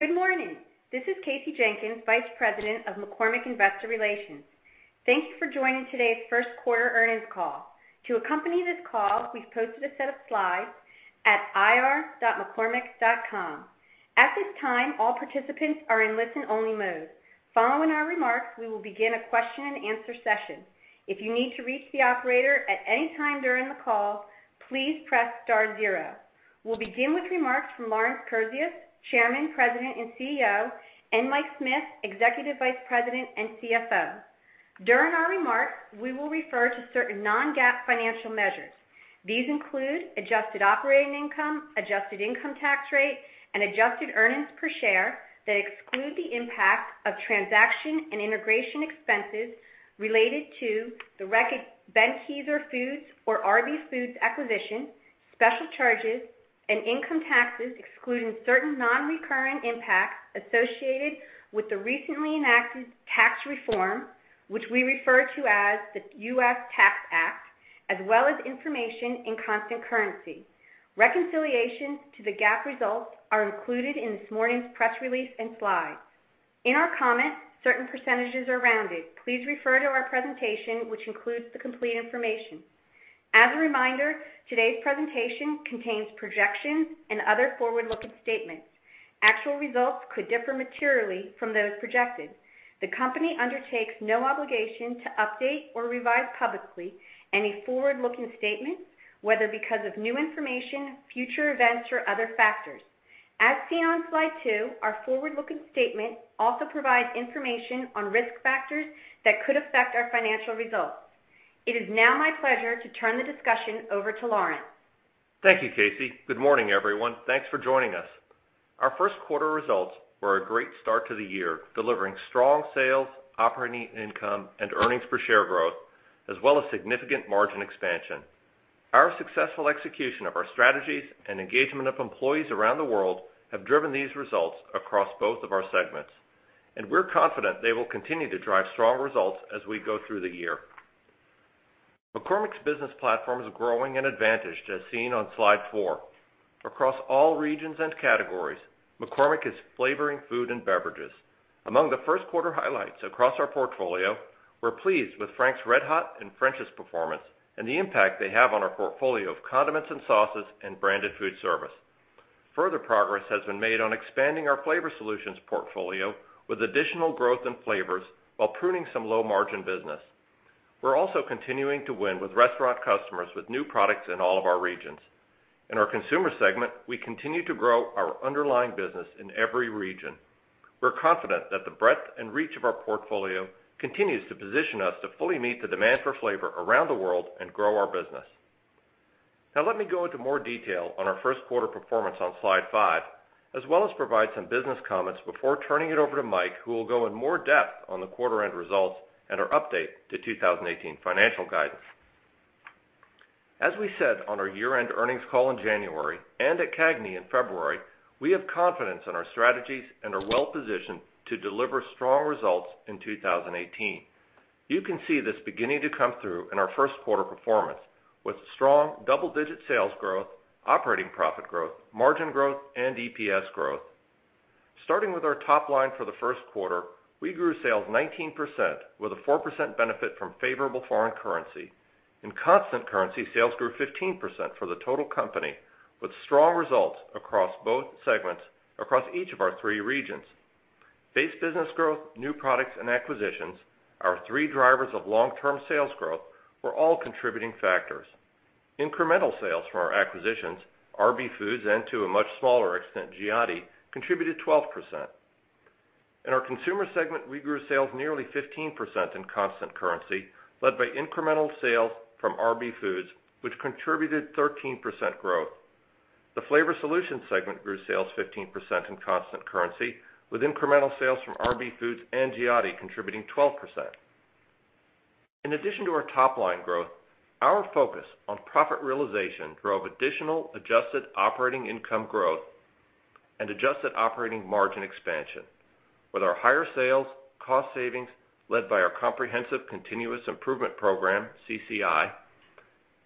Good morning. This is Kasey Jenkins, Vice President of McCormick Investor Relations. Thank you for joining today's first quarter earnings call. To accompany this call, we've posted a set of slides at ir.mccormick.com. At this time, all participants are in listen-only mode. Following our remarks, we will begin a question and answer session. If you need to reach the operator at any time during the call, please press star zero. We will begin with remarks from Lawrence Kurzius, Chairman, President, and CEO, and Mike Smith, Executive Vice President and CFO. During our remarks, we will refer to certain non-GAAP financial measures. These include adjusted operating income, adjusted income tax rate, and adjusted earnings per share that exclude the impact of transaction and integration expenses related to the Reckitt Benckiser foods or RB Foods acquisition, special charges, and income taxes excluding certain non-recurring impacts associated with the recently enacted tax reform, which we refer to as the US Tax Act, as well as information in constant currency. Reconciliation to the GAAP results are included in this morning's press release and slides. In our comments, certain % are rounded. Please refer to our presentation, which includes the complete information. As a reminder, today's presentation contains projections and other forward-looking statements. Actual results could differ materially from those projected. The company undertakes no obligation to update or revise publicly any forward-looking statements, whether because of new information, future events, or other factors. As seen on slide two, our forward-looking statement also provides information on risk factors that could affect our financial results. It is now my pleasure to turn the discussion over to Lawrence. Thank you, Kasey. Good morning, everyone. Thanks for joining us. Our first quarter results were a great start to the year, delivering strong sales, operating income, and earnings per share growth, as well as significant margin expansion. Our successful execution of our strategies and engagement of employees around the world have driven these results across both of our segments. We are confident they will continue to drive strong results as we go through the year. McCormick's business platform is growing and advantaged, as seen on slide four. Across all regions and categories, McCormick is flavoring food and beverages. Among the first quarter highlights across our portfolio, we are pleased with Frank's RedHot and French's performance and the impact they have on our portfolio of condiments and sauces and branded food service. Further progress has been made on expanding our Flavor Solutions portfolio with additional growth in flavors while pruning some low-margin business. We're also continuing to win with restaurant customers with new products in all of our regions. In our consumer segment, we continue to grow our underlying business in every region. We're confident that the breadth and reach of our portfolio continues to position us to fully meet the demand for flavor around the world and grow our business. Now let me go into more detail on our first quarter performance on slide five, as well as provide some business comments before turning it over to Mike, who will go in more depth on the quarter end results and our update to 2018 financial guidance. As we said on our year-end earnings call in January and at CAGNY in February, we have confidence in our strategies and are well positioned to deliver strong results in 2018. You can see this beginning to come through in our first quarter performance with strong double-digit sales growth, operating profit growth, margin growth, and EPS growth. Starting with our top line for the first quarter, we grew sales 19% with a 4% benefit from favorable foreign currency. In constant currency, sales grew 15% for the total company, with strong results across both segments across each of our three regions. Base business growth, new products, and acquisitions, our three drivers of long-term sales growth, were all contributing factors. Incremental sales from our acquisitions, RB Foods, and to a much smaller extent, Giotti, contributed 12%. In our consumer segment, we grew sales nearly 15% in constant currency, led by incremental sales from RB Foods, which contributed 13% growth. The Flavor Solutions segment grew sales 15% in constant currency, with incremental sales from RB Foods and Giotti contributing 12%. In addition to our top-line growth, our focus on profit realization drove additional adjusted operating income growth and adjusted operating margin expansion. With our higher sales, cost savings led by our Comprehensive Continuous Improvement program, CCI,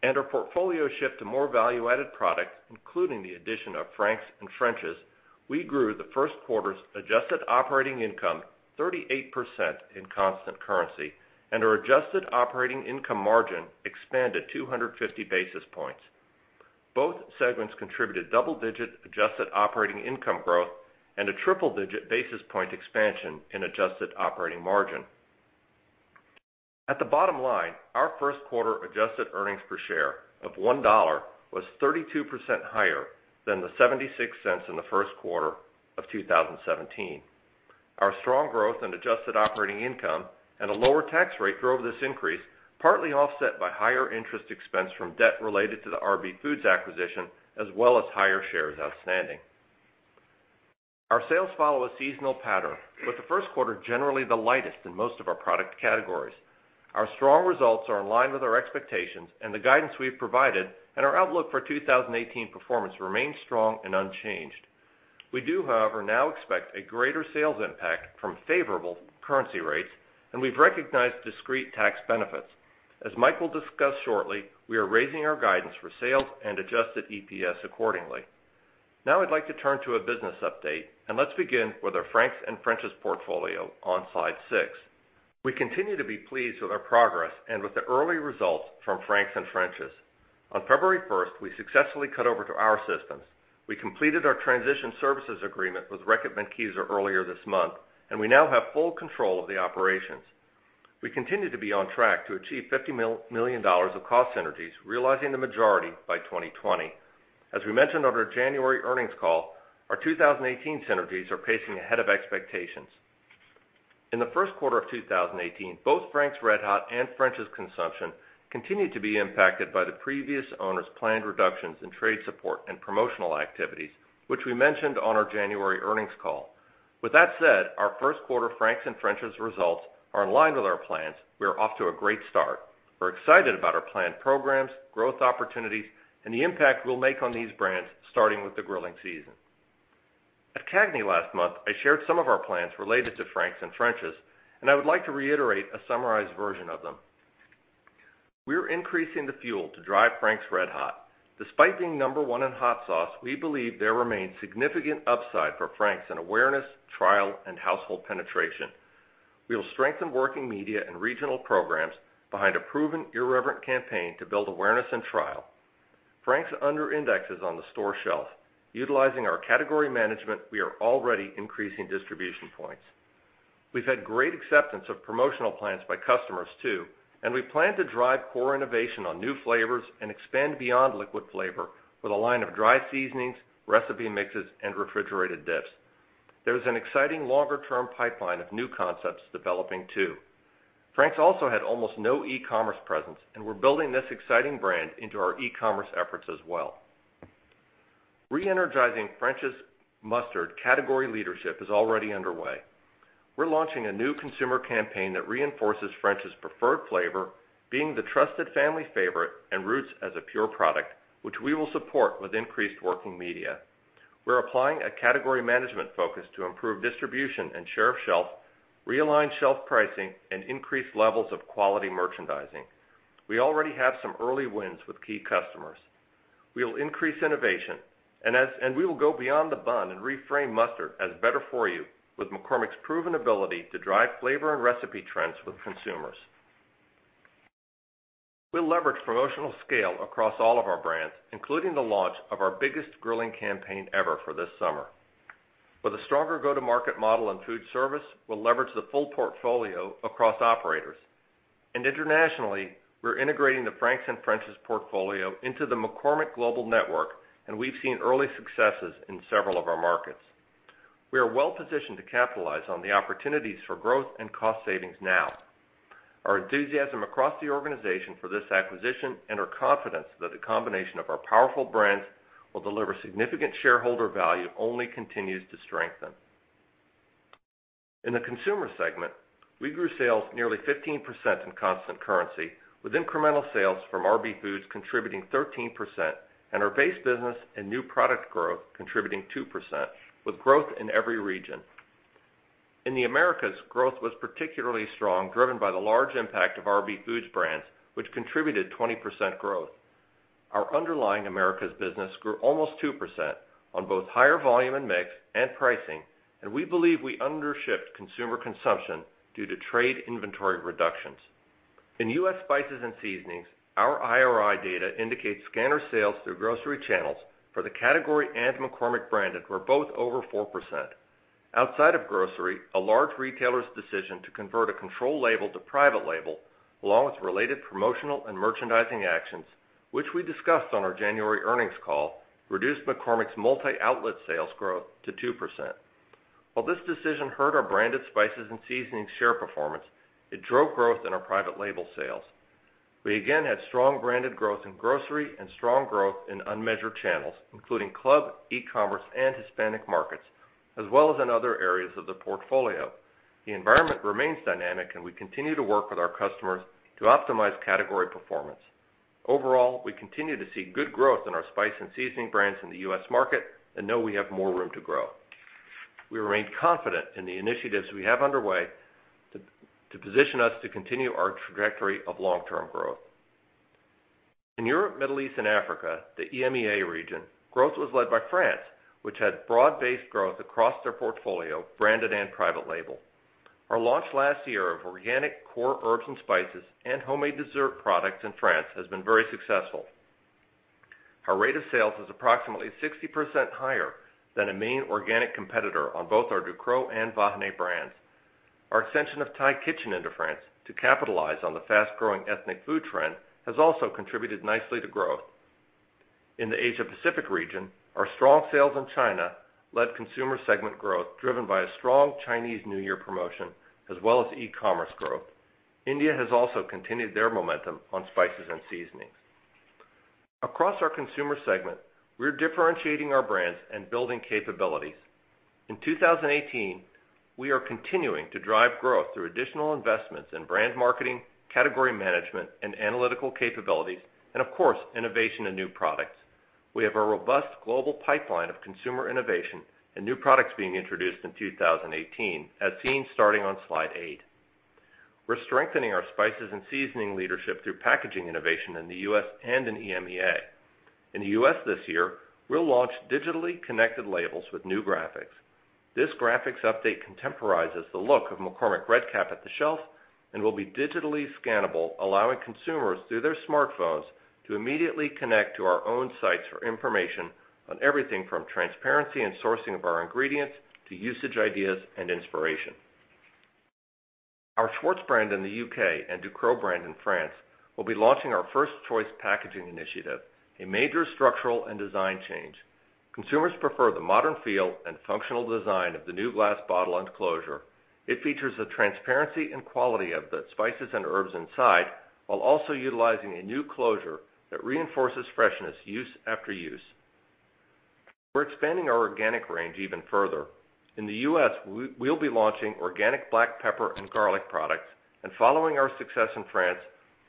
and our portfolio shift to more value-added products, including the addition of Frank's and French's, we grew the first quarter's adjusted operating income 38% in constant currency, and our adjusted operating income margin expanded 250 basis points. Both segments contributed double-digit adjusted operating income growth and a triple-digit basis point expansion in adjusted operating margin. At the bottom line, our first quarter-adjusted earnings per share of $1 was 32% higher than the $0.76 in the first quarter of 2017. Our strong growth in adjusted operating income and a lower tax rate drove this increase, partly offset by higher interest expense from debt related to the RB Foods acquisition, as well as higher shares outstanding. Our sales follow a seasonal pattern, with the first quarter generally the lightest in most of our product categories. Our strong results are in line with our expectations and the guidance we've provided, and our outlook for 2018 performance remains strong and unchanged. We do, however, now expect a greater sales impact from favorable currency rates, and we've recognized discrete tax benefits. As Mike will discuss shortly, we are raising our guidance for sales and adjusted EPS accordingly. Now I'd like to turn to a business update, and let's begin with our Frank's and French's portfolio on slide six. We continue to be pleased with our progress and with the early results from Frank's and French's. On February 1st, we successfully cut over to our systems. We completed our transition services agreement with Reckitt Benckiser earlier this month, and we now have full control of the operations. We continue to be on track to achieve $50 million of cost synergies, realizing the majority by 2020. As we mentioned on our January earnings call, our 2018 synergies are pacing ahead of expectations. In the first quarter of 2018, both Frank's RedHot and French's Consumption continued to be impacted by the previous owner's planned reductions in trade support and promotional activities, which we mentioned on our January earnings call. With that said, our first quarter Frank's and French's results are in line with our plans. We are off to a great start. We're excited about our planned programs, growth opportunities, and the impact we'll make on these brands, starting with the grilling season. At CAGNY last month, I shared some of our plans related to Frank's and French's, and I would like to reiterate a summarized version of them. We're increasing the fuel to drive Frank's RedHot. Despite being number one in hot sauce, we believe there remains significant upside for Frank's in awareness, trial, and household penetration. We'll strengthen working media and regional programs behind a proven, irreverent campaign to build awareness and trial. Frank's under-indexes on the store shelf. Utilizing our category management, we are already increasing distribution points. We've had great acceptance of promotional plans by customers too, and we plan to drive core innovation on new flavors and expand beyond liquid flavor with a line of dry seasonings, recipe mixes, and refrigerated dips. There is an exciting longer-term pipeline of new concepts developing too. Frank's also had almost no e-commerce presence, and we're building this exciting brand into our e-commerce efforts as well. Re-energizing French's Mustard category leadership is already underway. We're launching a new consumer campaign that reinforces French's preferred flavor being the trusted family favorite and roots as a pure product, which we will support with increased working media. We're applying a category management focus to improve distribution and share of shelf, realign shelf pricing, and increase levels of quality merchandising. We already have some early wins with key customers. We'll increase innovation, and we will go beyond the bun and reframe mustard as better for you with McCormick's proven ability to drive flavor and recipe trends with consumers. We'll leverage promotional scale across all of our brands, including the launch of our biggest grilling campaign ever for this summer. With a stronger go-to-market model in food service, we'll leverage the full portfolio across operators. Internationally, we're integrating the Frank's and French's portfolio into the McCormick global network, and we've seen early successes in several of our markets. We are well positioned to capitalize on the opportunities for growth and cost savings now. Our enthusiasm across the organization for this acquisition and our confidence that the combination of our powerful brands will deliver significant shareholder value only continues to strengthen. In the consumer segment, we grew sales nearly 15% in constant currency, with incremental sales from RB Foods contributing 13% and our base business and new product growth contributing 2%, with growth in every region. In the Americas, growth was particularly strong, driven by the large impact of RB Foods brands, which contributed 20% growth. Our underlying Americas business grew almost 2% on both higher volume and mix and pricing, and we believe we undershipped consumer consumption due to trade inventory reductions. In U.S. spices and seasonings, our IRI data indicates scanner sales through grocery channels for the category and McCormick branded were both over 4%. Outside of grocery, a large retailer's decision to convert a control label to private label, along with related promotional and merchandising actions, which we discussed on our January earnings call, reduced McCormick's multi-outlet sales growth to 2%. While this decision hurt our branded spices and seasonings share performance, it drove growth in our private label sales. We again had strong branded growth in grocery and strong growth in unmeasured channels, including club, e-commerce, and Hispanic markets, as well as in other areas of the portfolio. The environment remains dynamic, and we continue to work with our customers to optimize category performance. Overall, we continue to see good growth in our spice and seasoning brands in the U.S. market and know we have more room to grow. We remain confident in the initiatives we have underway to position us to continue our trajectory of long-term growth. In Europe, Middle East, and Africa, the EMEA region, growth was led by France, which had broad-based growth across their portfolio, branded and private label. Our launch last year of organic core herbs and spices and homemade dessert products in France has been very successful. Our rate of sales is approximately 60% higher than a main organic competitor on both our Ducros and Vahiné brands. Our extension of Thai Kitchen into France to capitalize on the fast-growing ethnic food trend has also contributed nicely to growth. In the Asia Pacific region, our strong sales in China led consumer segment growth, driven by a strong Chinese New Year promotion as well as e-commerce growth. India has also continued their momentum on spices and seasonings. Across our consumer segment, we're differentiating our brands and building capabilities. In 2018, we are continuing to drive growth through additional investments in brand marketing, category management, and analytical capabilities, and of course, innovation and new products. We have a robust global pipeline of consumer innovation and new products being introduced in 2018, as seen starting on slide eight. We're strengthening our spices and seasoning leadership through packaging innovation in the U.S. and in EMEA. In the U.S. this year, we'll launch digitally connected labels with new graphics. This graphics update contemporizes the look of McCormick red cap at the shelf and will be digitally scannable, allowing consumers, through their smartphones, to immediately connect to our own sites for information on everything from transparency and sourcing of our ingredients, to usage ideas and inspiration. Our Schwartz brand in the U.K. and Ducros brand in France will be launching our first choice packaging initiative, a major structural and design change. Consumers prefer the modern feel and functional design of the new glass bottle and closure. It features the transparency and quality of the spices and herbs inside, while also utilizing a new closure that reinforces freshness use after use. We're expanding our organic range even further. In the U.S., we'll be launching organic black pepper and garlic products, and following our success in France,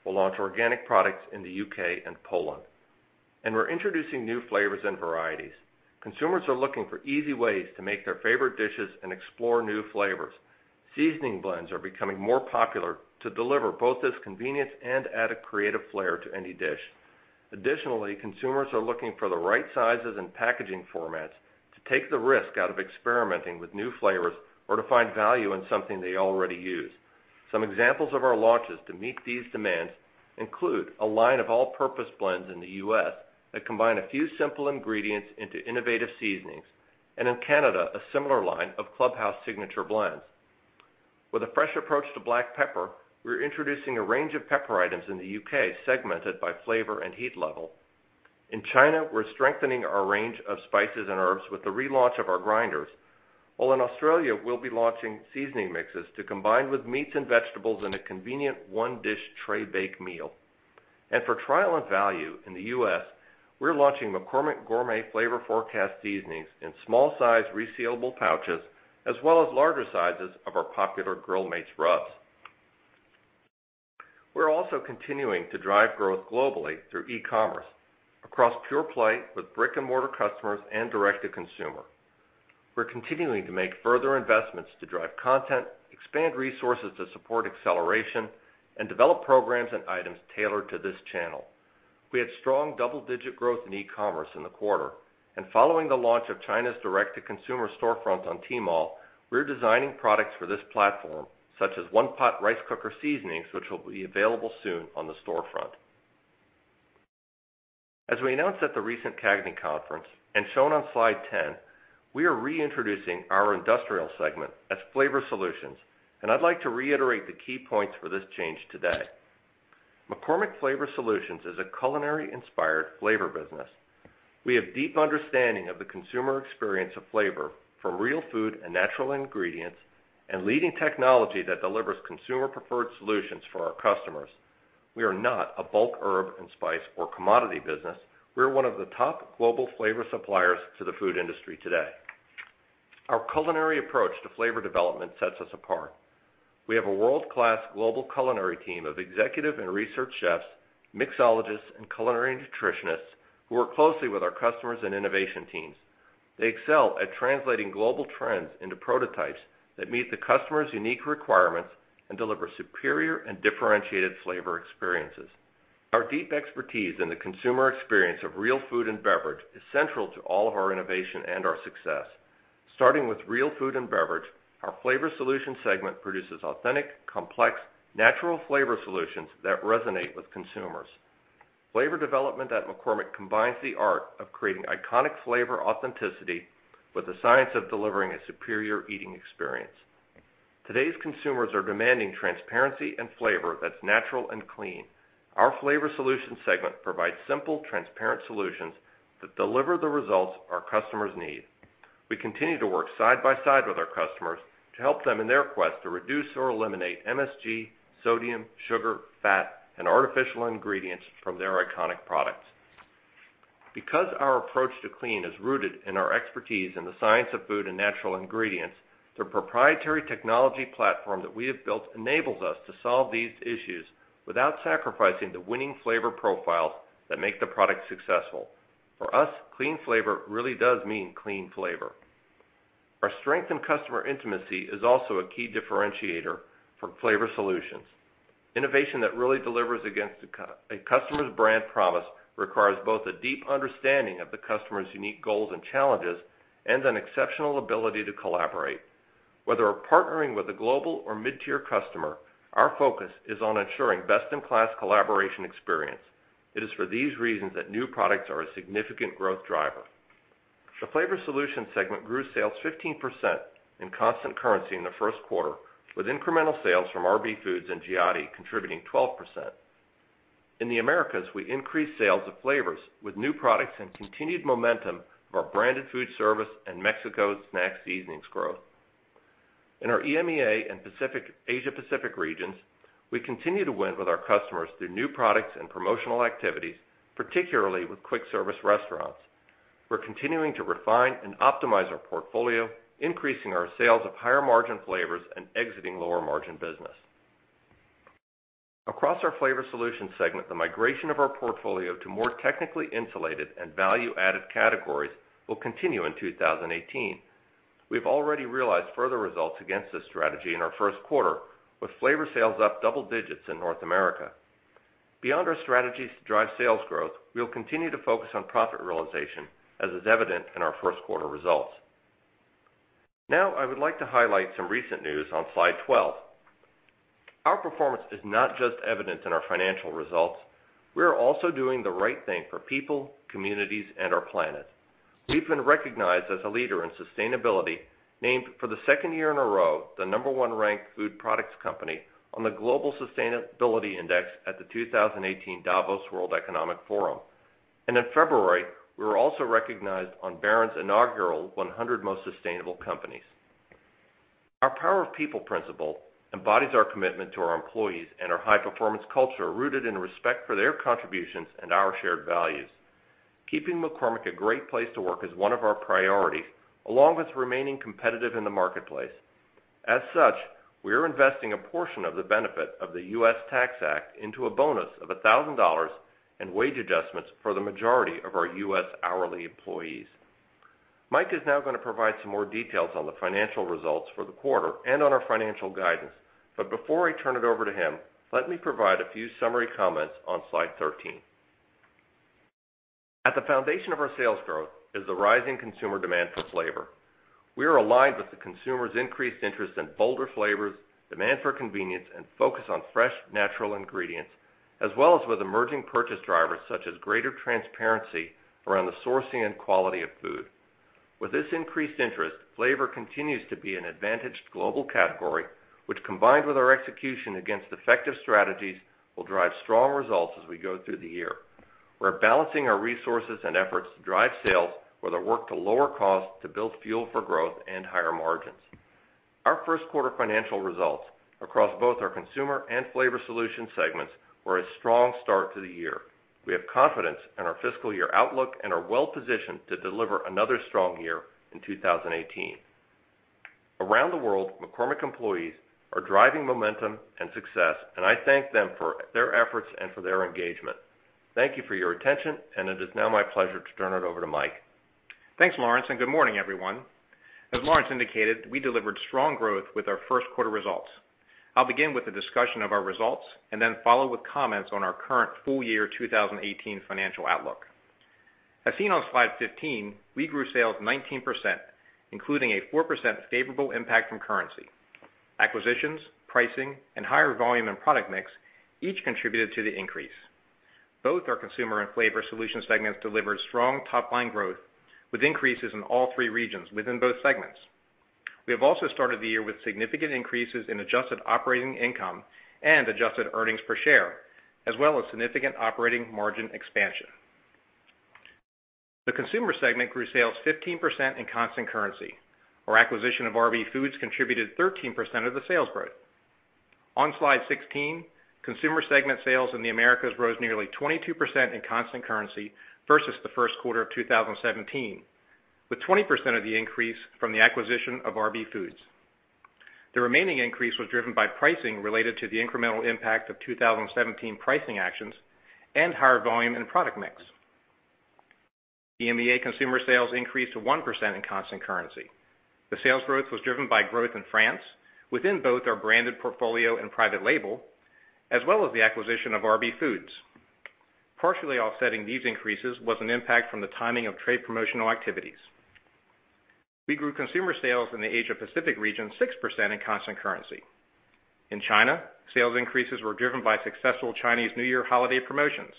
we'll launch organic products in the U.K. and Poland. We're introducing new flavors and varieties. Consumers are looking for easy ways to make their favorite dishes and explore new flavors. Seasoning blends are becoming more popular to deliver both this convenience and add a creative flair to any dish. Additionally, consumers are looking for the right sizes and packaging formats to take the risk out of experimenting with new flavors or to find value in something they already use. Some examples of our launches to meet these demands include a line of all-purpose blends in the U.S. that combine a few simple ingredients into innovative seasonings, and in Canada, a similar line of Club House signature blends. With a fresh approach to black pepper, we're introducing a range of pepper items in the U.K. segmented by flavor and heat level. In China, we're strengthening our range of spices and herbs with the relaunch of our grinders. While in Australia, we'll be launching seasoning mixes to combine with meats and vegetables in a convenient one dish tray bake meal. For trial and value in the U.S., we're launching McCormick Gourmet Flavor Forecast seasonings in small size resealable pouches, as well as larger sizes of our popular Grill Mates rubs. We're also continuing to drive growth globally through e-commerce, across pure play with brick and mortar customers, and direct-to-consumer. We're continuing to make further investments to drive content, expand resources to support acceleration, and develop programs and items tailored to this channel. We had strong double-digit growth in e-commerce in the quarter. Following the launch of China's direct-to-consumer storefront on Tmall, we're designing products for this platform, such as one pot rice cooker seasonings which will be available soon on the storefront. As we announced at the recent CAGNY Conference and shown on slide 10, we are re-introducing our industrial segment as Flavor Solutions, and I'd like to reiterate the key points for this change today. McCormick Flavor Solutions is a culinary-inspired flavor business. We have deep understanding of the consumer experience of flavor from real food and natural ingredients, and leading technology that delivers consumer preferred solutions for our customers. We are not a bulk herb and spice or commodity business. We're one of the top global flavor suppliers to the food industry today. Our culinary approach to flavor development sets us apart. We have a world-class global culinary team of executive and research chefs, mixologists and culinary nutritionists who work closely with our customers and innovation teams. They excel at translating global trends into prototypes that meet the customer's unique requirements and deliver superior and differentiated flavor experiences. Our deep expertise in the consumer experience of real food and beverage is central to all of our innovation and our success. Starting with real food and beverage, our Flavor Solutions segment produces authentic, complex, natural flavor solutions that resonate with consumers. Flavor development at McCormick combines the art of creating iconic flavor authenticity with the science of delivering a superior eating experience. Today's consumers are demanding transparency and flavor that's natural and clean. Our Flavor Solutions segment provides simple, transparent solutions that deliver the results our customers need. We continue to work side by side with our customers to help them in their quest to reduce or eliminate MSG, sodium, sugar, fat, and artificial ingredients from their iconic products. Because our approach to clean is rooted in our expertise in the science of food and natural ingredients, the proprietary technology platform that we have built enables us to solve these issues without sacrificing the winning flavor profiles that make the product successful. For us, clean flavor really does mean clean flavor. Our strength in customer intimacy is also a key differentiator for Flavor Solutions. Innovation that really delivers against a customer's brand promise requires both a deep understanding of the customer's unique goals and challenges, and an exceptional ability to collaborate. Whether we're partnering with a global or mid-tier customer, our focus is on ensuring best-in-class collaboration experience. It is for these reasons that new products are a significant growth driver. The Flavor Solutions segment grew sales 15% in constant currency in the first quarter, with incremental sales from RB Foods and Giotti contributing 12%. In the Americas, we increased sales of flavors with new products and continued momentum of our branded food service and Mexico snack seasonings growth. In our EMEA and Asia Pacific regions, we continue to win with our customers through new products and promotional activities, particularly with quick service restaurants. We're continuing to refine and optimize our portfolio, increasing our sales of higher margin flavors and exiting lower margin business. Across our Flavor Solutions segment, the migration of our portfolio to more technically insulated and value-added categories will continue in 2018. We've already realized further results against this strategy in our first quarter, with flavor sales up double digits in North America. Beyond our strategies to drive sales growth, we'll continue to focus on profit realization, as is evident in our first quarter results. Now, I would like to highlight some recent news on slide 12. Our performance is not just evident in our financial results. We are also doing the right thing for people, communities, and our planet. We've been recognized as a leader in sustainability, named for the second year in a row, the number one ranked food products company on the Global Sustainability Index at the 2018 Davos World Economic Forum. In February, we were also recognized on Barron's inaugural 100 Most Sustainable Companies. Our power of people principle embodies our commitment to our employees and our high-performance culture, rooted in respect for their contributions and our shared values. Keeping McCormick a great place to work is one of our priorities, along with remaining competitive in the marketplace. As such, we are investing a portion of the benefit of the US Tax Act into a bonus of $1,000 and wage adjustments for the majority of our U.S. hourly employees. Mike is now going to provide some more details on the financial results for the quarter and on our financial guidance. Before I turn it over to him, let me provide a few summary comments on slide 13. At the foundation of our sales growth is the rising consumer demand for flavor. We are aligned with the consumer's increased interest in bolder flavors, demand for convenience, and focus on fresh, natural ingredients, as well as with emerging purchase drivers, such as greater transparency around the sourcing and quality of food. With this increased interest, flavor continues to be an advantaged global category, which combined with our execution against effective strategies, will drive strong results as we go through the year. We're balancing our resources and efforts to drive sales with our work to lower costs to build fuel for growth and higher margins. Our first quarter financial results across both our Consumer and Flavor Solutions segments were a strong start to the year. We have confidence in our fiscal year outlook and are well positioned to deliver another strong year in 2018. Around the world, McCormick employees are driving momentum and success. I thank them for their efforts and for their engagement. Thank you for your attention. It is now my pleasure to turn it over to Mike. Thanks, Lawrence. Good morning, everyone. As Lawrence indicated, we delivered strong growth with our first quarter results. I'll begin with a discussion of our results. Then follow with comments on our current full year 2018 financial outlook. As seen on slide 15, we grew sales 19%, including a 4% favorable impact from currency. Acquisitions, pricing, and higher volume and product mix each contributed to the increase. Both our Consumer and Flavor Solutions segments delivered strong top-line growth, with increases in all three regions within both segments. We have also started the year with significant increases in adjusted operating income and adjusted earnings per share, as well as significant operating margin expansion. The Consumer segment grew sales 15% in constant currency. Our acquisition of RB Foods contributed 13% of the sales growth. On slide 16, Consumer segment sales in the Americas rose nearly 22% in constant currency versus the first quarter of 2017, with 20% of the increase from the acquisition of RB Foods. The remaining increase was driven by pricing related to the incremental impact of 2017 pricing actions and higher volume and product mix. EMEA consumer sales increased to 1% in constant currency. The sales growth was driven by growth in France, within both our branded portfolio and private label, as well as the acquisition of RB Foods. Partially offsetting these increases was an impact from the timing of trade promotional activities. We grew consumer sales in the Asia Pacific region 6% in constant currency. In China, sales increases were driven by successful Chinese New Year holiday promotions.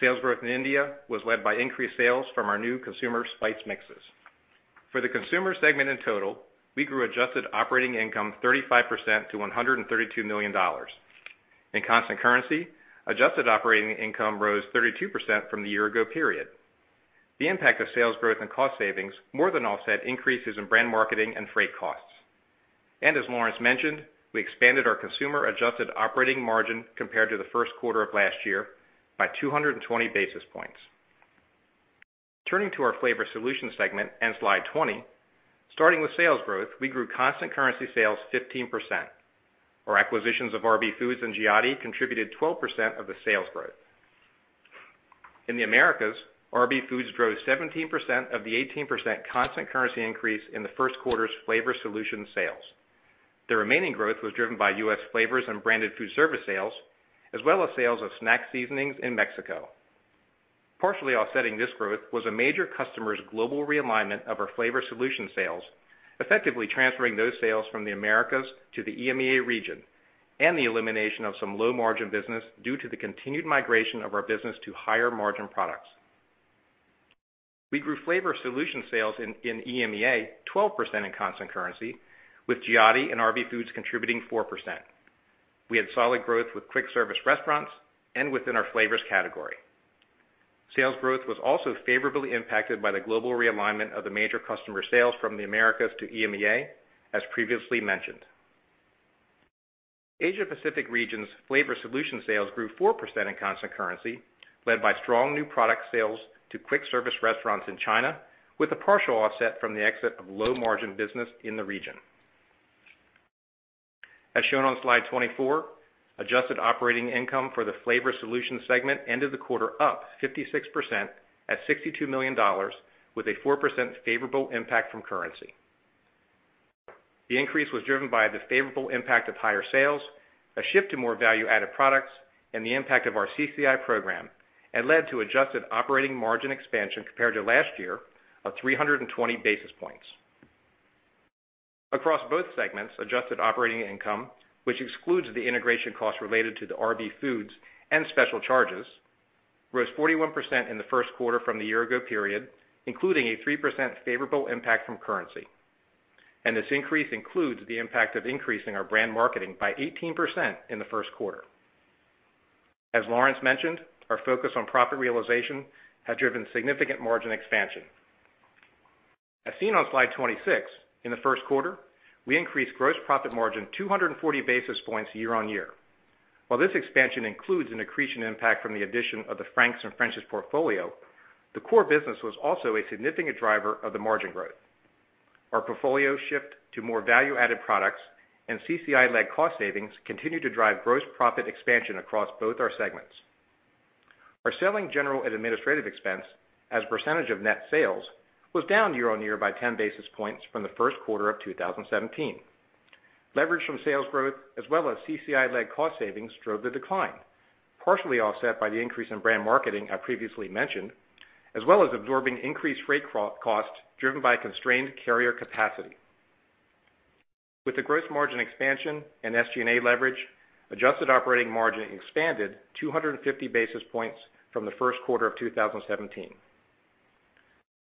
Sales growth in India was led by increased sales from our new consumer spice mixes. For the Consumer segment in total, we grew adjusted operating income 35% to $132 million. In constant currency, adjusted operating income rose 32% from the year ago period. The impact of sales growth and cost savings more than offset increases in brand marketing and freight costs. As Lawrence mentioned, we expanded our consumer adjusted operating margin compared to the first quarter of last year by 220 basis points. Turning to our Flavor Solutions segment and slide 20, starting with sales growth, we grew constant currency sales 15%. Our acquisitions of RB Foods and Giotti contributed 12% of the sales growth. In the Americas, RB Foods drove 17% of the 18% constant currency increase in the first quarter's Flavor Solutions sales. The remaining growth was driven by U.S. flavors and branded food service sales, as well as sales of snack seasonings in Mexico. Partially offsetting this growth was a major customer's global realignment of our Flavor Solutions sales, effectively transferring those sales from the Americas to the EMEA region, and the elimination of some low-margin business due to the continued migration of our business to higher margin products. We grew Flavor Solutions sales in EMEA 12% in constant currency, with Giotti and RB Foods contributing 4%. We had solid growth with quick service restaurants and within our flavors category. Sales growth was also favorably impacted by the global realignment of the major customer sales from the Americas to EMEA, as previously mentioned. Asia Pacific region's Flavor Solutions sales grew 4% in constant currency. Led by strong new product sales to quick service restaurants in China, with a partial offset from the exit of low margin business in the region. As shown on slide 24, adjusted operating income for the Flavor Solutions segment ended the quarter up 56% at $62 million, with a 4% favorable impact from currency. The increase was driven by the favorable impact of higher sales, a shift to more value-added products, and the impact of our CCI program, led to adjusted operating margin expansion compared to last year of 320 basis points. Across both segments, adjusted operating income, which excludes the integration costs related to the RB Foods and special charges, rose 41% in the first quarter from the year ago period, including a 3% favorable impact from currency. This increase includes the impact of increasing our brand marketing by 18% in the first quarter. As Lawrence mentioned, our focus on profit realization has driven significant margin expansion. As seen on slide 26, in the first quarter, we increased gross profit margin 240 basis points year-on-year. While this expansion includes an accretion impact from the addition of the Frank's and French's portfolio, the core business was also a significant driver of the margin growth. Our portfolio shift to more value-added products and CCI-led cost savings continue to drive gross profit expansion across both our segments. Our Selling, General and Administrative Expense as a percentage of net sales was down year-on-year by 10 basis points from the first quarter of 2017. Leverage from sales growth, as well as CCI-led cost savings drove the decline, partially offset by the increase in brand marketing I previously mentioned, as well as absorbing increased freight costs driven by constrained carrier capacity. With the gross margin expansion and SG&A leverage, adjusted operating margin expanded 250 basis points from the first quarter of 2017.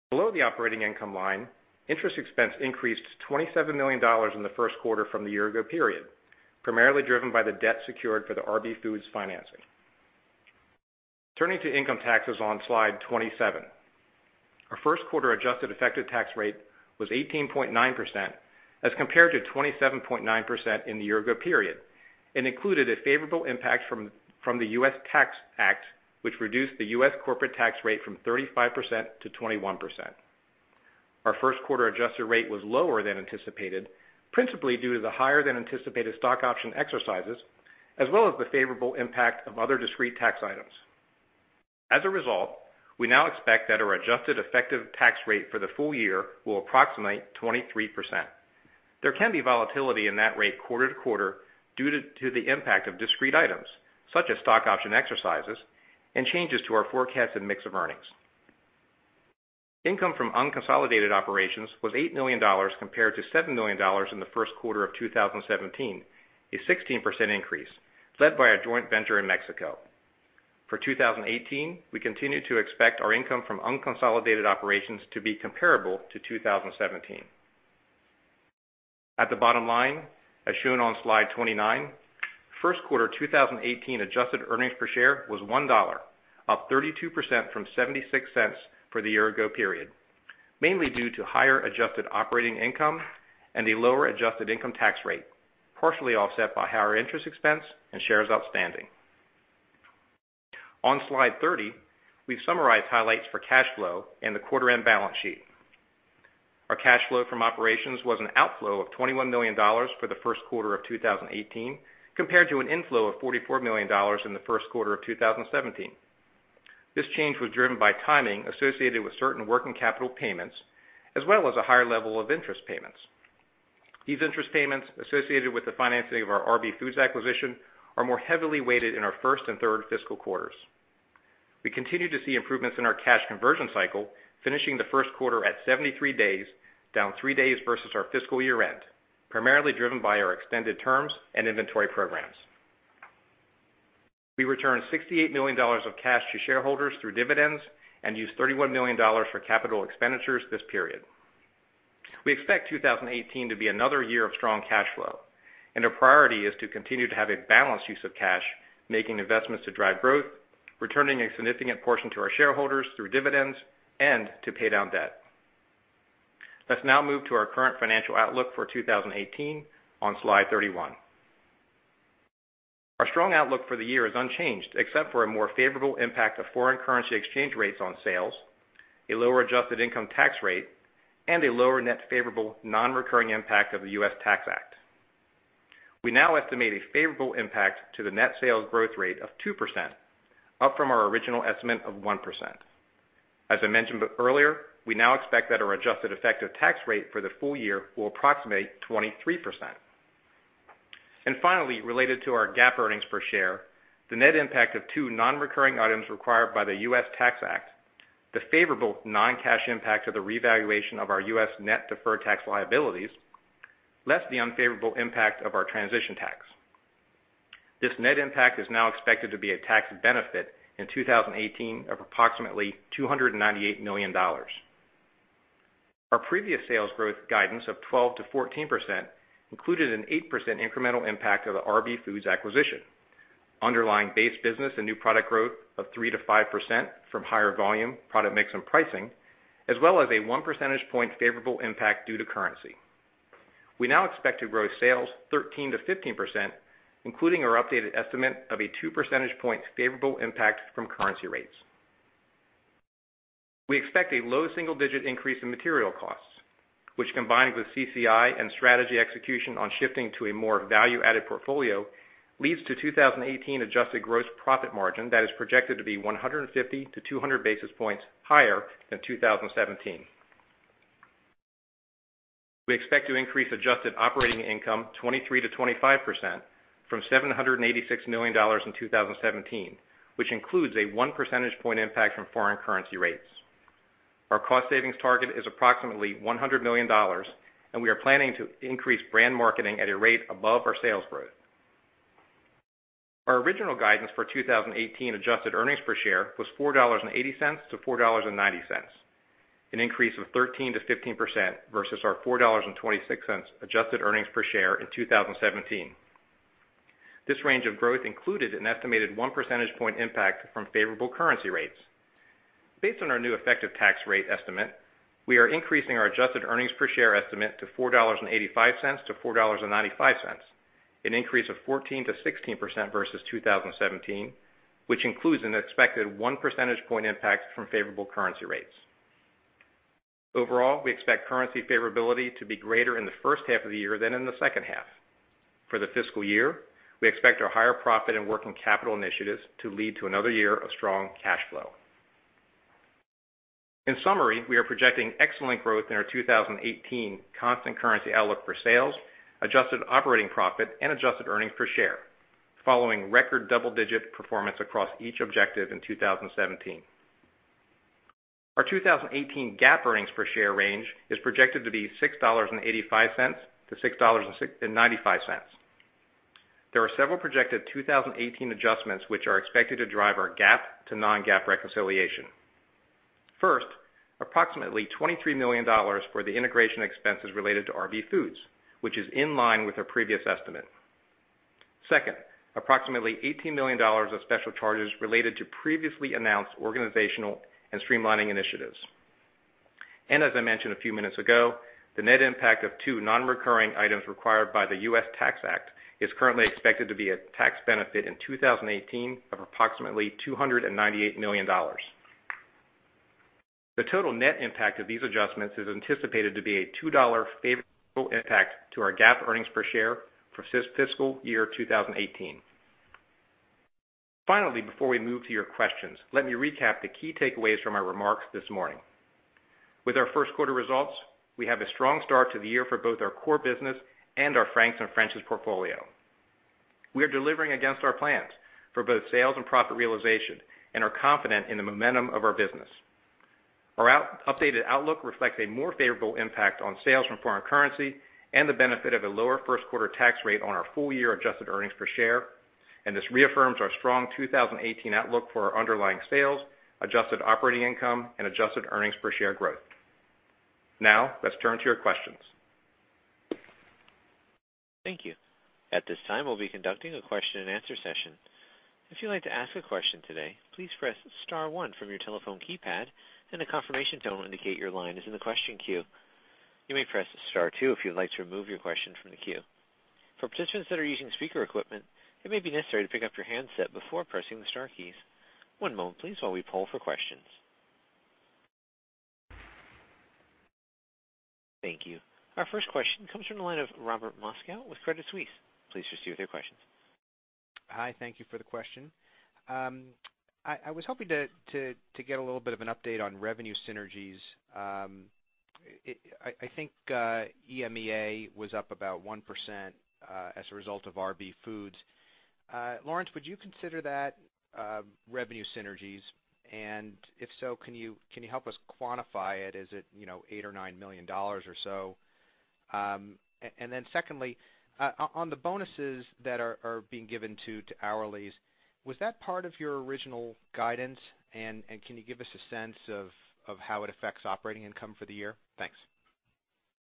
Below the operating income line, interest expense increased to $27 million in the first quarter from the year ago period, primarily driven by the debt secured for the RB Foods financing. Turning to income taxes on slide 27. Our first quarter adjusted effective tax rate was 18.9% as compared to 27.9% in the year ago period, and included a favorable impact from the US Tax Act, which reduced the U.S. corporate tax rate from 35% to 21%. Our first quarter adjusted rate was lower than anticipated, principally due to the higher than anticipated stock option exercises, as well as the favorable impact of other discrete tax items. As a result, we now expect that our adjusted effective tax rate for the full year will approximate 23%. There can be volatility in that rate quarter to quarter due to the impact of discrete items, such as stock option exercises and changes to our forecasted mix of earnings. Income from unconsolidated operations was $8 million compared to $7 million in the first quarter of 2017, a 16% increase led by our joint venture in Mexico. For 2018, we continue to expect our income from unconsolidated operations to be comparable to 2017. At the bottom line, as shown on slide 29, first quarter 2018 adjusted earnings per share was $1, up 32% from $0.76 for the year ago period, mainly due to higher adjusted operating income and a lower adjusted income tax rate, partially offset by higher interest expense and shares outstanding. On slide 30, we've summarized highlights for cash flow and the quarter end balance sheet. Our cash flow from operations was an outflow of $21 million for the first quarter of 2018 compared to an inflow of $44 million in the first quarter of 2017. This change was driven by timing associated with certain working capital payments, as well as a higher level of interest payments. These interest payments associated with the financing of our RB Foods acquisition are more heavily weighted in our first and third fiscal quarters. We continue to see improvements in our cash conversion cycle, finishing the first quarter at 73 days, down three days versus our fiscal year end, primarily driven by our extended terms and inventory programs. We returned $68 million of cash to shareholders through dividends and used $31 million for capital expenditures this period. We expect 2018 to be another year of strong cash flow. Our priority is to continue to have a balanced use of cash, making investments to drive growth, returning a significant portion to our shareholders through dividends, and to pay down debt. Let's now move to our current financial outlook for 2018 on slide 31. Our strong outlook for the year is unchanged, except for a more favorable impact of foreign currency exchange rates on sales, a lower adjusted income tax rate, and a lower net favorable non-recurring impact of the US Tax Act. We now estimate a favorable impact to the net sales growth rate of 2%, up from our original estimate of 1%. As I mentioned earlier, we now expect that our adjusted effective tax rate for the full year will approximate 23%. Finally, related to our GAAP earnings per share, the net impact of two non-recurring items required by the US Tax Act, the favorable non-cash impact of the revaluation of our U.S. net deferred tax liabilities, less the unfavorable impact of our transition tax. This net impact is now expected to be a tax benefit in 2018 of approximately $298 million. Our previous sales growth guidance of 12%-14% included an 8% incremental impact of the RB Foods acquisition, underlying base business and new product growth of 3%-5% from higher volume, product mix, and pricing, as well as a one percentage point favorable impact due to currency. We now expect to grow sales 13%-15%, including our updated estimate of a two percentage points favorable impact from currency rates. We expect a low single-digit increase in material costs, which combined with CCI and strategy execution on shifting to a more value-added portfolio, leads to 2018 adjusted gross profit margin that is projected to be 150-200 basis points higher than 2017. We expect to increase adjusted operating income 23%-25% from $786 million in 2017, which includes a one percentage point impact from foreign currency rates. Our cost savings target is approximately $100 million. We are planning to increase brand marketing at a rate above our sales growth. Our original guidance for 2018 adjusted earnings per share was $4.80-$4.90, an increase of 13%-15% versus our $4.26 adjusted earnings per share in 2017. This range of growth included an estimated one percentage point impact from favorable currency rates. Based on our new effective tax rate estimate, we are increasing our adjusted earnings per share estimate to $4.85-$4.95, an increase of 14%-16% versus 2017, which includes an expected one percentage point impact from favorable currency rates. Overall, we expect currency favorability to be greater in the first half of the year than in the second half. For the fiscal year, we expect our higher profit and working capital initiatives to lead to another year of strong cash flow. In summary, we are projecting excellent growth in our 2018 constant currency outlook for sales, adjusted operating profit and adjusted earnings per share, following record double-digit performance across each objective in 2017. Our 2018 GAAP earnings per share range is projected to be $6.85-$6.95. There are several projected 2018 adjustments which are expected to drive our GAAP to non-GAAP reconciliation. First, approximately $23 million for the integration expenses related to RB Foods, which is in line with our previous estimate. Second, approximately $18 million of special charges related to previously announced organizational and streamlining initiatives. As I mentioned a few minutes ago, the net impact of two non-recurring items required by the US Tax Act is currently expected to be a tax benefit in 2018 of approximately $298 million. The total net impact of these adjustments is anticipated to be a $2 favorable impact to our GAAP earnings per share for fiscal year 2018. Finally, before we move to your questions, let me recap the key takeaways from our remarks this morning. With our first quarter results, we have a strong start to the year for both our core business and our Frank's and French's portfolio. We are delivering against our plans for both sales and profit realization and are confident in the momentum of our business. Our updated outlook reflects a more favorable impact on sales from foreign currency and the benefit of a lower first quarter tax rate on our full-year adjusted earnings per share. This reaffirms our strong 2018 outlook for our underlying sales, adjusted operating income and adjusted earnings per share growth. Let's turn to your questions. Thank you. At this time, we'll be conducting a question and answer session. If you'd like to ask a question today, please press star 1 from your telephone keypad and a confirmation tone will indicate your line is in the question queue. You may press star 2 if you'd like to remove your question from the queue. For participants that are using speaker equipment, it may be necessary to pick up your handset before pressing the star keys. One moment please while we poll for questions. Thank you. Our first question comes from the line of Robert Moskow with Credit Suisse. Please proceed with your questions. Hi, thank you for the question. I was hoping to get a little bit of an update on revenue synergies. I think EMEA was up about 1% as a result of RB Foods. Lawrence, would you consider that revenue synergies? If so, can you help us quantify it? Is it $8 million or $9 million or so? Secondly, on the bonuses that are being given to hourlies, was that part of your original guidance? Can you give us a sense of how it affects operating income for the year? Thanks.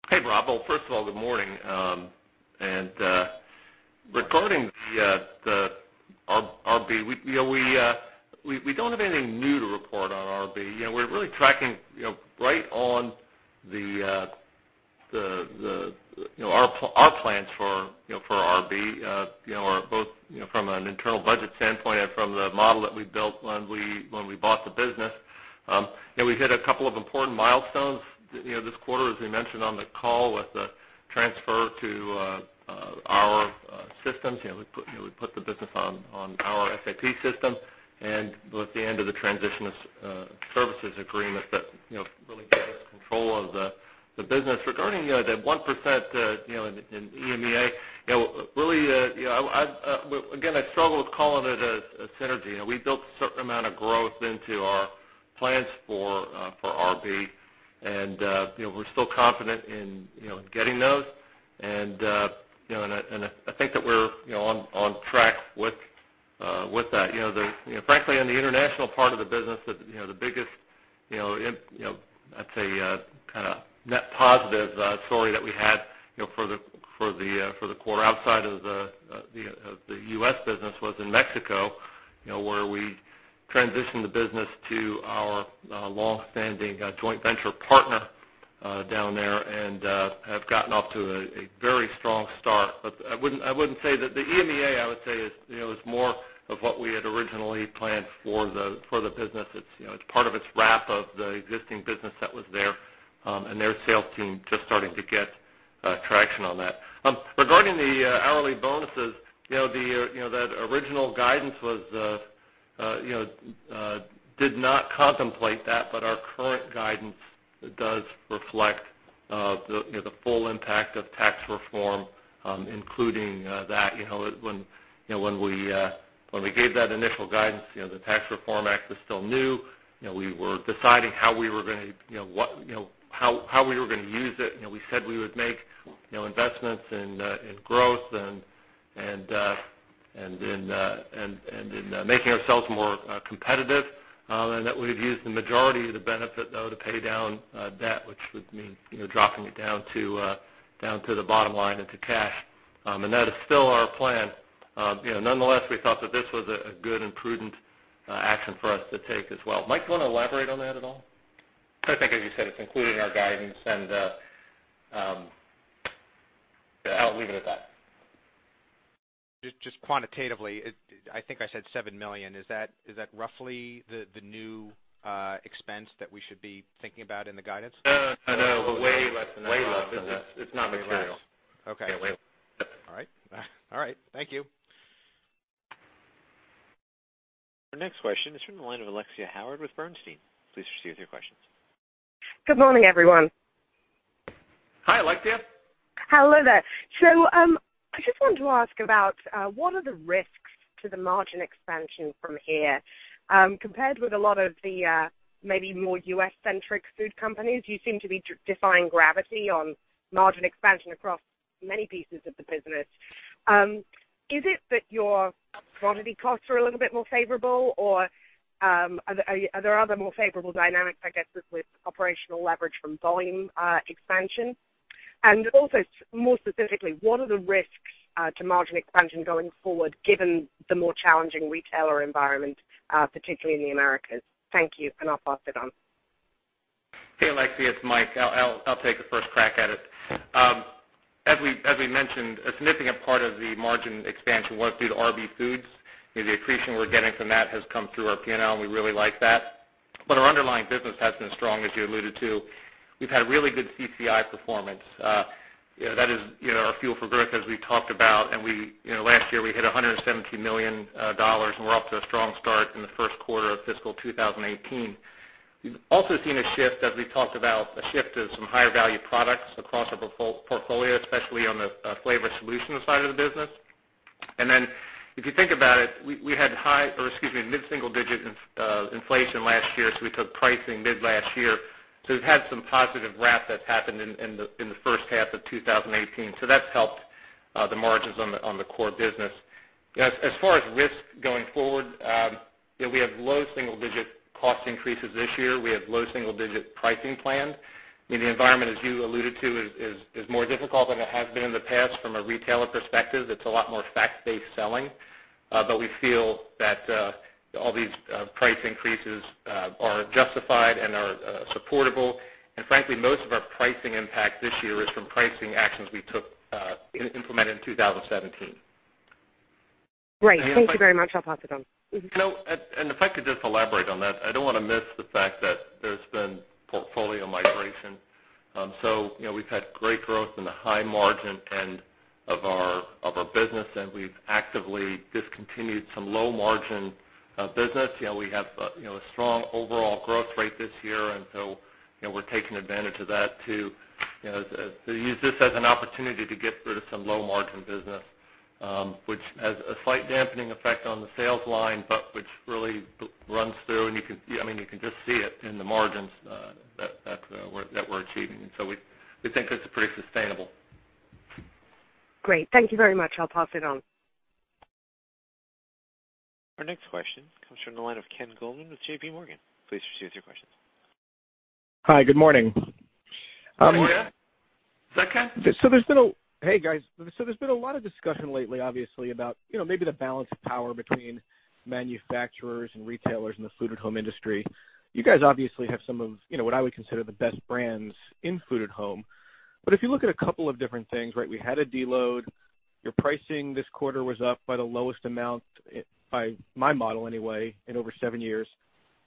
Hey, Rob. Well, first of all, good morning. Regarding the RB, we don't have anything new to report on RB. We're really tracking right on our plans for RB, both from an internal budget standpoint and from the model that we built when we bought the business. We hit a couple of important milestones this quarter, as we mentioned on the call, with the transfer to our systems. We put the business on our SAP systems and with the end of the transition services agreement that really gave us control of the business. Regarding the 1% in EMEA, again, I struggle with calling it a synergy. We built a certain amount of growth into our plans for RB, and we're still confident in getting those. I think that we're on track with that. On the international part of the business, the biggest, I'd say, net positive story that we had for the quarter outside of the U.S. business was in Mexico Where we transitioned the business to our longstanding joint venture partner down there and have gotten off to a very strong start. I wouldn't say that the EMEA, I would say is more of what we had originally planned for the business. It's part of its wrap of the existing business that was there, and their sales team just starting to get traction on that. Regarding the hourly bonuses, that original guidance did not contemplate that, but our current guidance does reflect the full impact of tax reform, including that. When we gave that initial guidance, the Tax Reform Act was still new. We were deciding how we were going to use it. We said we would make investments in growth and in making ourselves more competitive, and that we'd use the majority of the benefit, though, to pay down debt, which would mean dropping it down to the bottom line into cash. That is still our plan. Nonetheless, we thought that this was a good and prudent action for us to take as well. Mike, do you want to elaborate on that at all? I think as you said, it's included in our guidance and I'll leave it at that. Just quantitatively, I think I said $7 million. Is that roughly the new expense that we should be thinking about in the guidance? No, way less than that. Way less. It's not material. Okay. All right. Thank you. Our next question is from the line of Alexia Howard with Bernstein. Please proceed with your questions. Good morning, everyone. Hi, Alexia. Hello there. I just wanted to ask about what are the risks to the margin expansion from here? Compared with a lot of the maybe more U.S.-centric food companies, you seem to be defying gravity on margin expansion across many pieces of the business. Is it that your commodity costs are a little bit more favorable, or are there other more favorable dynamics, I guess, with operational leverage from volume expansion? Also more specifically, what are the risks to margin expansion going forward given the more challenging retailer environment, particularly in the Americas? Thank you, and I'll pass it on. Hey, Alexia, it's Mike. I'll take the first crack at it. As we mentioned, a significant part of the margin expansion was due to RB Foods. The accretion we're getting from that has come through our P&L, and we really like that. Our underlying business has been strong, as you alluded to. We've had really good CCI performance. That is our fuel for growth, as we talked about, and last year we hit $117 million, and we're off to a strong start in the first quarter of fiscal 2018. We've also seen a shift, as we talked about, a shift to some higher value products across our portfolio, especially on the McCormick Flavor Solutions side of the business. If you think about it, we had mid-single digit inflation last year, we took pricing mid last year. We've had some positive wrap that's happened in the first half of 2018. That's helped the margins on the core business. As far as risk going forward, we have low-single-digit cost increases this year. We have low-single-digit pricing planned. The environment, as you alluded to, is more difficult than it has been in the past from a retailer perspective. It's a lot more fact-based selling. We feel that all these price increases are justified and are supportable. Frankly, most of our pricing impact this year is from pricing actions we implemented in 2017. Great. Thank you very much. I'll pass it on. If I could just elaborate on that, I don't want to miss the fact that there's been portfolio migration. We've had great growth in the high margin end of our business, and we've actively discontinued some low margin business. We have a strong overall growth rate this year, we're taking advantage of that to use this as an opportunity to get rid of some low margin business, which has a slight dampening effect on the sales line, but which really runs through, and you can just see it in the margins that we're achieving. We think this is pretty sustainable. Great. Thank you very much. I'll pass it on. Our next question comes from the line of Ken Goldman with J.P. Morgan. Please proceed with your questions. Hi, good morning. Good morning. Is that Ken? Hey, guys. There's been a lot of discussion lately, obviously, about maybe the balance of power between manufacturers and retailers in the food at home industry. You guys obviously have some of what I would consider the best brands in food at home. If you look at a couple of different things, right, we had a deload, your pricing this quarter was up by the lowest amount, by my model anyway, in over 7 years.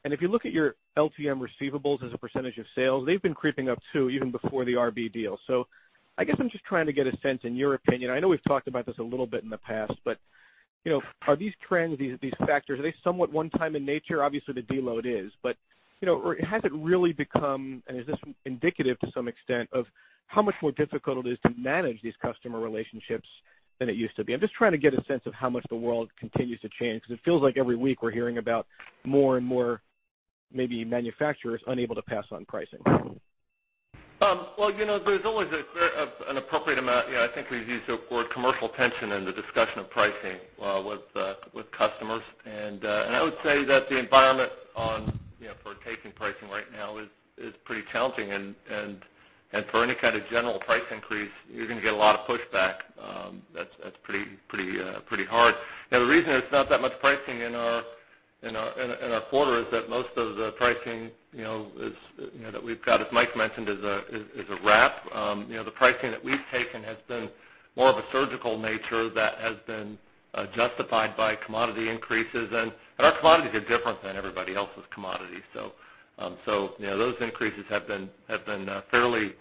If you look at your LTM receivables as a percentage of sales, they've been creeping up too, even before the RB deal. I guess I'm just trying to get a sense in your opinion, I know we've talked about this a little bit in the past, but are these trends, these factors, are they somewhat one-time in nature? Obviously, the deload is. Has it really become, is this indicative to some extent of how much more difficult it is to manage these customer relationships than it used to be? I'm just trying to get a sense of how much the world continues to change, because it feels like every week we're hearing about more and more maybe manufacturers unable to pass on pricing. Well, there's always an appropriate amount. I think we've used the word commercial tension in the discussion of pricing with customers. I would say that the environment, it's pretty challenging, for any kind of general price increase, you're going to get a lot of pushback. That's pretty hard. Now, the reason there's not that much pricing in our quarter is that most of the pricing that we've got, as Mike mentioned, is a wrap. The pricing that we've taken has been more of a surgical nature that has been justified by commodity increases. Our commodities are different than everybody else's commodities. Those increases have been fairly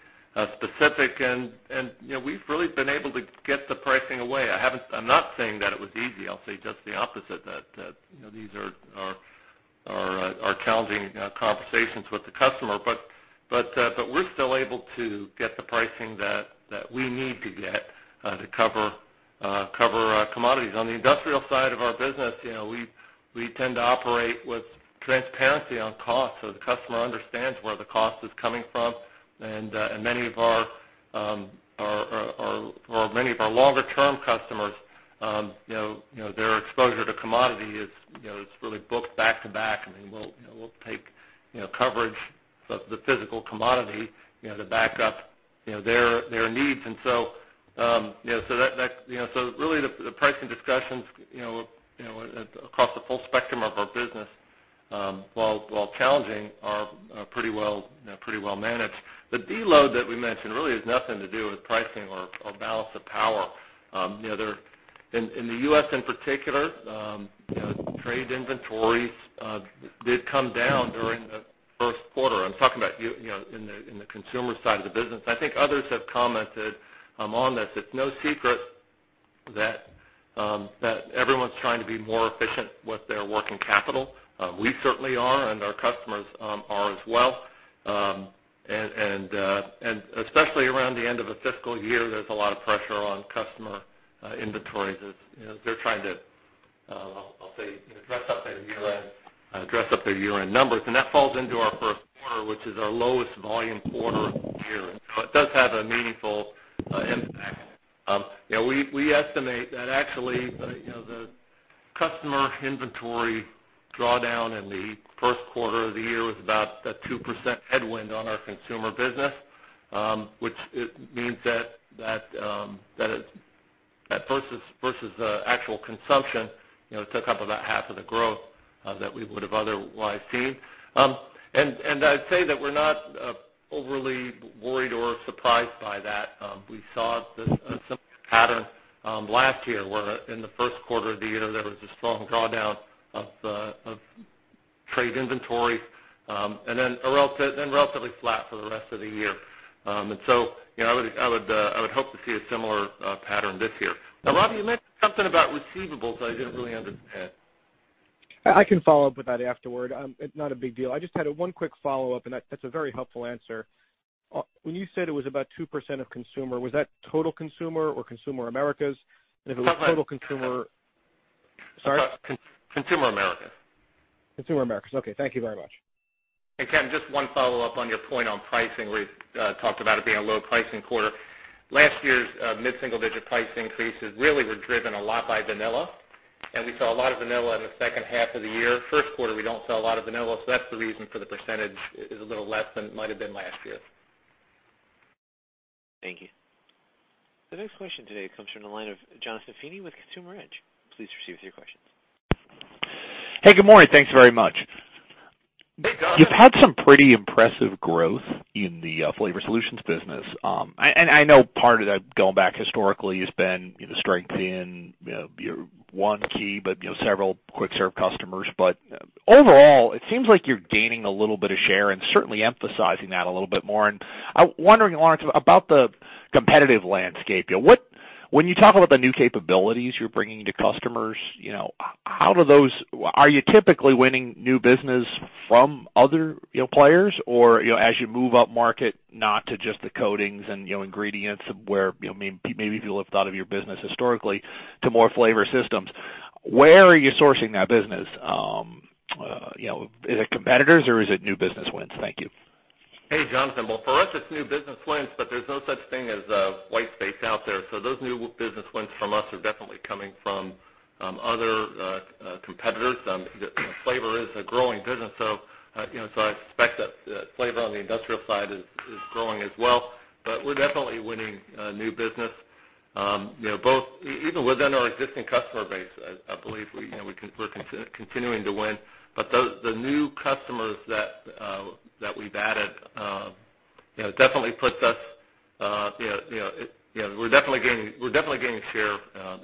specific and we've really been able to get the pricing away. I'm not saying that it was easy. I'll say just the opposite, that these are challenging conversations with the customer. We're still able to get the pricing that we need to get to cover commodities. On the industrial side of our business, we tend to operate with transparency on cost so the customer understands where the cost is coming from. Many of our longer-term customers, their exposure to commodity is really booked back-to-back. We'll take coverage of the physical commodity to back up their needs. Really, the pricing discussions across the full spectrum of our business, while challenging, are pretty well managed. The deload that we mentioned really has nothing to do with pricing or balance of power. In the U.S. in particular, trade inventories did come down during the first quarter. I'm talking about in the consumer side of the business. I think others have commented on this. It's no secret that everyone's trying to be more efficient with their working capital. We certainly are, our customers are as well. Especially around the end of a fiscal year, there's a lot of pressure on customer inventories as they're trying to, I'll say, dress up their year-end numbers. That falls into our first quarter, which is our lowest volume quarter of the year. It does have a meaningful impact. We estimate that actually, the customer inventory drawdown in the first quarter of the year was about a 2% headwind on our consumer business, which means that versus the actual consumption, it took up about half of the growth that we would have otherwise seen. I'd say that we're not overly worried or surprised by that. We saw a similar pattern last year, where in the first quarter of the year, there was a strong drawdown of trade inventory, and then relatively flat for the rest of the year. I would hope to see a similar pattern this year. Now, Rob, you mentioned something about receivables I didn't really understand. I can follow up with that afterward. It's not a big deal. I just had one quick follow-up, and that's a very helpful answer. When you said it was about 2% of consumer, was that total consumer or Consumer Americas? If it was total consumer Sorry? Consumer Americas. Consumer Americas. Okay. Thank you very much. Ken, just one follow-up on your point on pricing, where you talked about it being a low pricing quarter. Last year's mid-single-digit price increases really were driven a lot by vanilla, and we saw a lot of vanilla in the second half of the year. First quarter, we don't sell a lot of vanilla, so that's the reason for the percentage is a little less than it might have been last year. Thank you. The next question today comes from the line of Jonathan Feeney with Consumer Edge. Please proceed with your questions. Hey, good morning. Thanks very much. Hey, Jon. You've had some pretty impressive growth in the Flavor Solutions business. I know part of that, going back historically, has been strength in your one key, but several quick-serve customers. Overall, it seems like you're gaining a little bit of share and certainly emphasizing that a little bit more. I'm wondering, Lawrence, about the competitive landscape. When you talk about the new capabilities you're bringing to customers, are you typically winning new business from other players? Or as you move up market, not to just the coatings and ingredients where maybe people have thought of your business historically to more flavor systems, where are you sourcing that business? Is it competitors, or is it new business wins? Thank you. Hey, Jonathan. For us, it's new business wins, but there's no such thing as a white space out there. Those new business wins from us are definitely coming from other competitors. Flavor is a growing business, so I expect that flavor on the industrial side is growing as well. We're definitely winning new business. Even within our existing customer base, I believe we're continuing to win. The new customers that we've added, we're definitely gaining share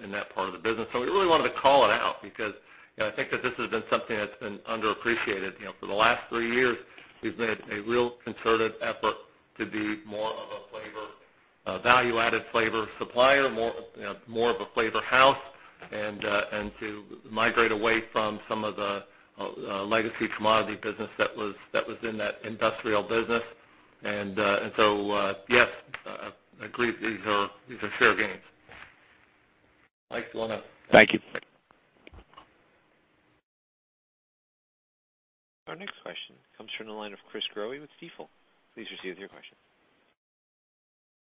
in that part of the business. We really wanted to call it out because I think that this has been something that's been underappreciated. For the last three years, we've made a real concerted effort to be more of a value-added flavor supplier, more of a flavor house, and to migrate away from some of the legacy commodity business that was in that industrial business. Yes, I believe these are share gains. Mike, do you want to- Thank you. Our next question comes from the line of Chris Growe with Stifel. Please proceed with your question.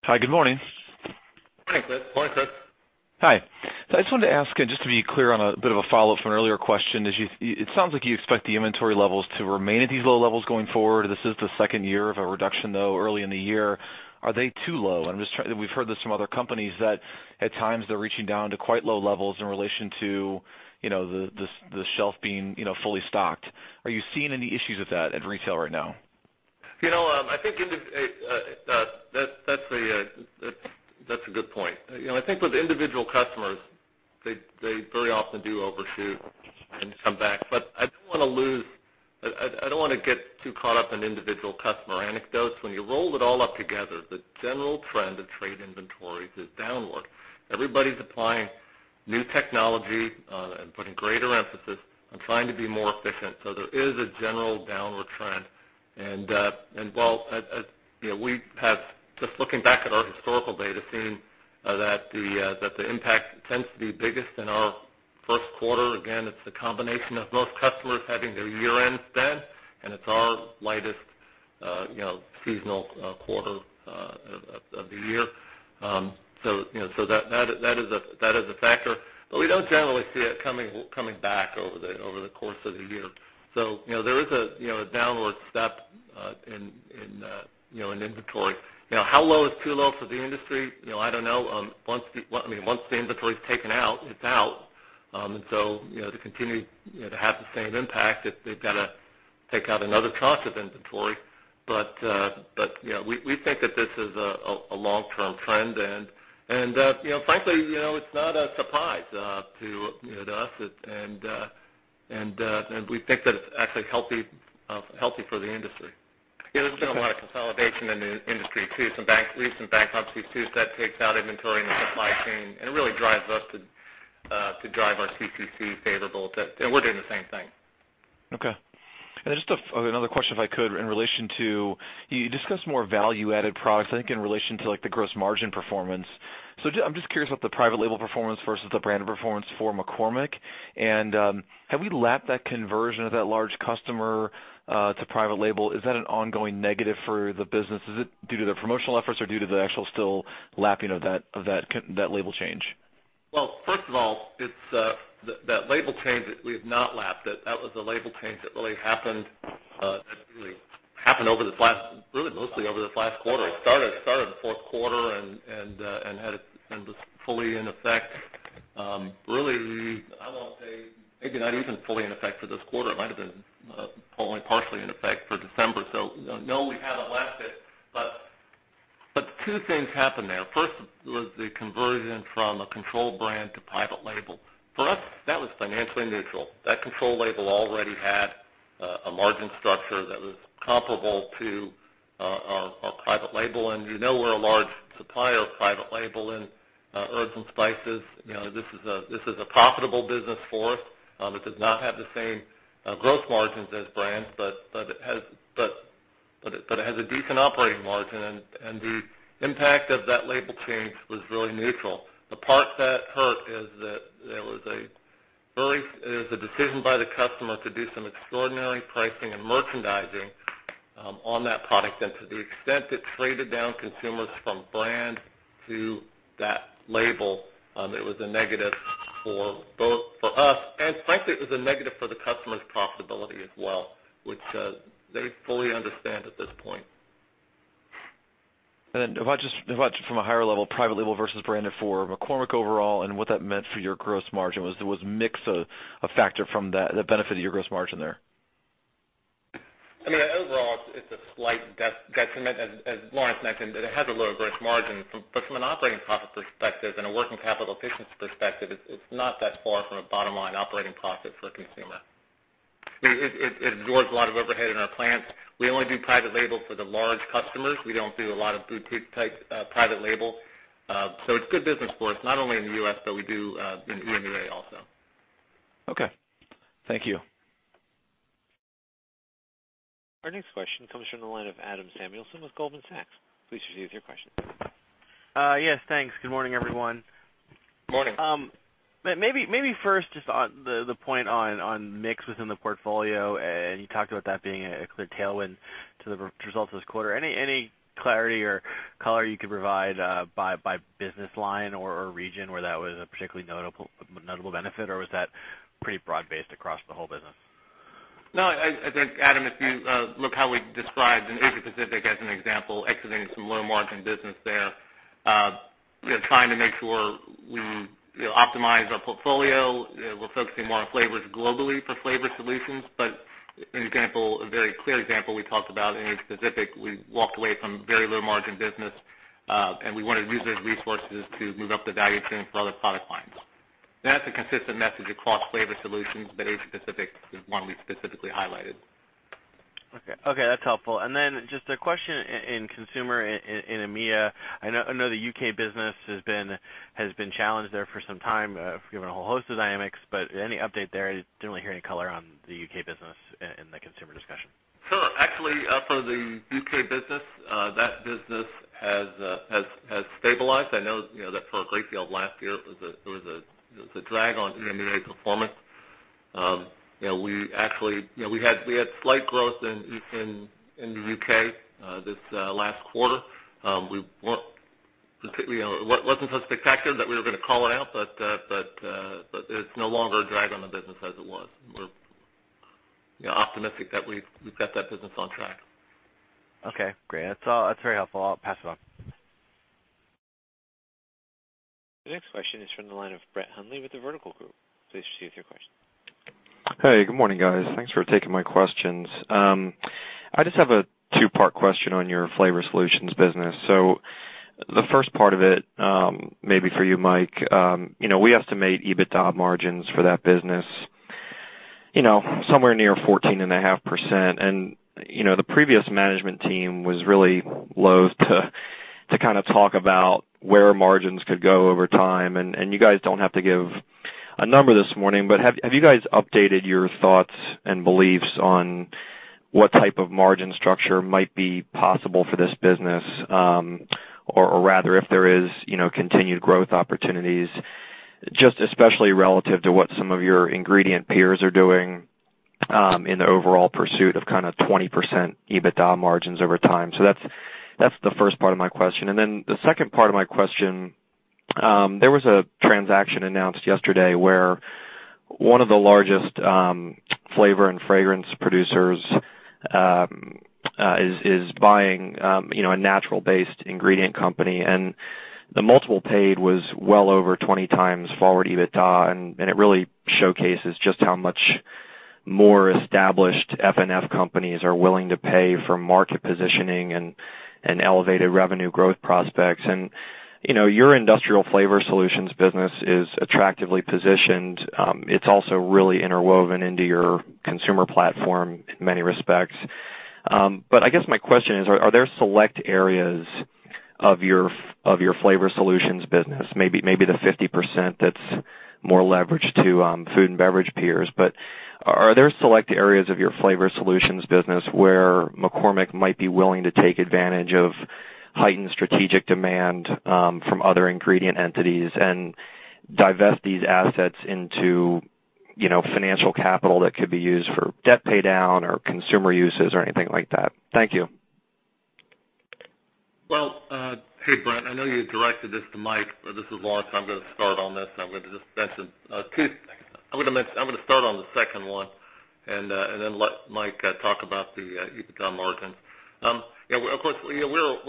Hi, good morning. Morning, Chris. Morning, Chris. Hi. I just wanted to ask, and just to be clear on a bit of a follow-up from an earlier question, it sounds like you expect the inventory levels to remain at these low levels going forward. This is the second year of a reduction, though, early in the year. Are they too low? We've heard this from other companies that at times they're reaching down to quite low levels in relation to the shelf being fully stocked. Are you seeing any issues with that at retail right now? That's a good point. I think with individual customers, they very often do overshoot and come back. I don't want to get too caught up in individual customer anecdotes. When you roll it all up together, the general trend of trade inventories is downward. Everybody's applying new technology and putting greater emphasis on trying to be more efficient. There is a general downward trend. Just looking back at our historical data, seeing that the impact tends to be biggest in our first quarter. Again, it's the combination of most customers having their year-ends then, and it's our lightest seasonal quarter of the year. That is a factor, but we don't generally see it coming back over the course of the year. There is a downward step in inventory. How low is too low for the industry? I don't know. Once the inventory's taken out, it's out. To continue to have the same impact, they've got to take out another chunk of inventory. We think that this is a long-term trend and, frankly, it's not a surprise to us. We think that it's actually healthy for the industry. There's been a lot of consolidation in the industry, too. Some recent bankruptcies too, that takes out inventory in the supply chain and it really drives us to drive our CCC favorable. We're doing the same thing. Just another question if I could, in relation to, you discussed more value-added products, I think in relation to the gross margin performance. I'm just curious about the private label performance versus the brand performance for McCormick. Have we lapped that conversion of that large customer to private label? Is that an ongoing negative for the business? Is it due to their promotional efforts or due to the actual still lapping of that label change? Well, first of all, that label change, we have not lapped it. That was a label change that really happened mostly over the last quarter. It started in the fourth quarter and was fully in effect, really, I want to say maybe not even fully in effect for this quarter. It might've been only partially in effect for December. No, we haven't lapped it. Two things happened there. First was the conversion from a control brand to private label. For us, that was financially neutral. That control label already had a margin structure that was comparable to our private label. You know we're a large supplier of private label in herbs and spices. This is a profitable business for us. It does not have the same gross margins as brands, but it has a decent operating margin, and the impact of that label change was really neutral. The part that hurt is that there was a decision by the customer to do some extraordinary pricing and merchandising on that product. To the extent it traded down consumers from brand to that label, it was a negative for both for us, and frankly, it was a negative for the customer's profitability as well, which they fully understand at this point. Then if I just from a higher level, private label versus branded for McCormick overall and what that meant for your gross margin. Was mix a factor from that benefited your gross margin there? Overall, it's a slight detriment, as Lawrence mentioned, but it has a lower gross margin. From an operating profit perspective and a working capital efficiency perspective, it's not that far from a bottom-line operating profit for the consumer. It absorbs a lot of overhead in our plants. We only do private label for the large customers. We don't do a lot of boutique-type private label. It's good business for us, not only in the U.S., but we do in EMEA also. Okay. Thank you. Our next question comes from the line of Adam Samuelson with Goldman Sachs. Please proceed with your question. Yes, thanks. Good morning, everyone. Morning. Maybe first, just on the point on mix within the portfolio, and you talked about that being a clear tailwind to the results this quarter. Any clarity or color you could provide by business line or region where that was a particularly notable benefit, or was that pretty broad-based across the whole business? No, I think, Adam, if you look how we described in Asia-Pacific as an example, exiting some low-margin business there. Trying to make sure we optimize our portfolio. We're focusing more on flavors globally for Flavor Solutions. A very clear example we talked about in Asia-Pacific, we walked away from very low-margin business, and we wanted to use those resources to move up the value chain for other product lines. That's a consistent message across Flavor Solutions, but Asia-Pacific is one we specifically highlighted. Okay. That's helpful. Then just a question in consumer in EMEA. I know the U.K. business has been challenged there for some time, given a whole host of dynamics, but any update there? I didn't really hear any color on the U.K. business in the consumer discussion. Sure. Actually, for the U.K. business, that business has stabilized. I know that for a great deal of last year, it was a drag on EMEA performance. We actually had slight growth in the U.K. this last quarter. It wasn't so spectacular that we were going to call it out, but it's no longer a drag on the business as it was. We're optimistic that we've got that business on track. Okay, great. That's very helpful. I'll pass it on. The next question is from the line of Brett Hundley with The Vertical Group. Please proceed with your question. Hey, good morning, guys. Thanks for taking my questions. I just have a two-part question on your Flavor Solutions business. The first part of it, maybe for you, Mike, we estimate EBITDA margins for that business, somewhere near 14.5%. The previous management team was really loath to talk about where margins could go over time. You guys don't have to give a number this morning, but have you guys updated your thoughts and beliefs on what type of margin structure might be possible for this business? Rather, if there is continued growth opportunities, just especially relative to what some of your ingredient peers are doing, in the overall pursuit of 20% EBITDA margins over time. That's the first part of my question. The second part of my question, there was a transaction announced yesterday where one of the largest flavor and fragrance producers is buying a natural-based ingredient company. The multiple paid was well over 20 times forward EBITDA, and it really showcases just how much more established F&F companies are willing to pay for market positioning and elevated revenue growth prospects. Your Industrial Flavor Solutions business is attractively positioned. It's also really interwoven into your consumer platform in many respects. I guess my question is, are there select areas of your Flavor Solutions business, maybe the 50% that's more leveraged to food and beverage peers, but are there select areas of your Flavor Solutions business where McCormick might be willing to take advantage of heightened strategic demand from other ingredient entities and divest these assets into financial capital that could be used for debt paydown or consumer uses or anything like that? Thank you. Hey, Brett, I know you directed this to Mike. This is Lawrence. I'm going to start on this, and I'm going to just mention two things. I'm going to start on the second one and then let Mike talk about the EBITDA margins. Of course, we're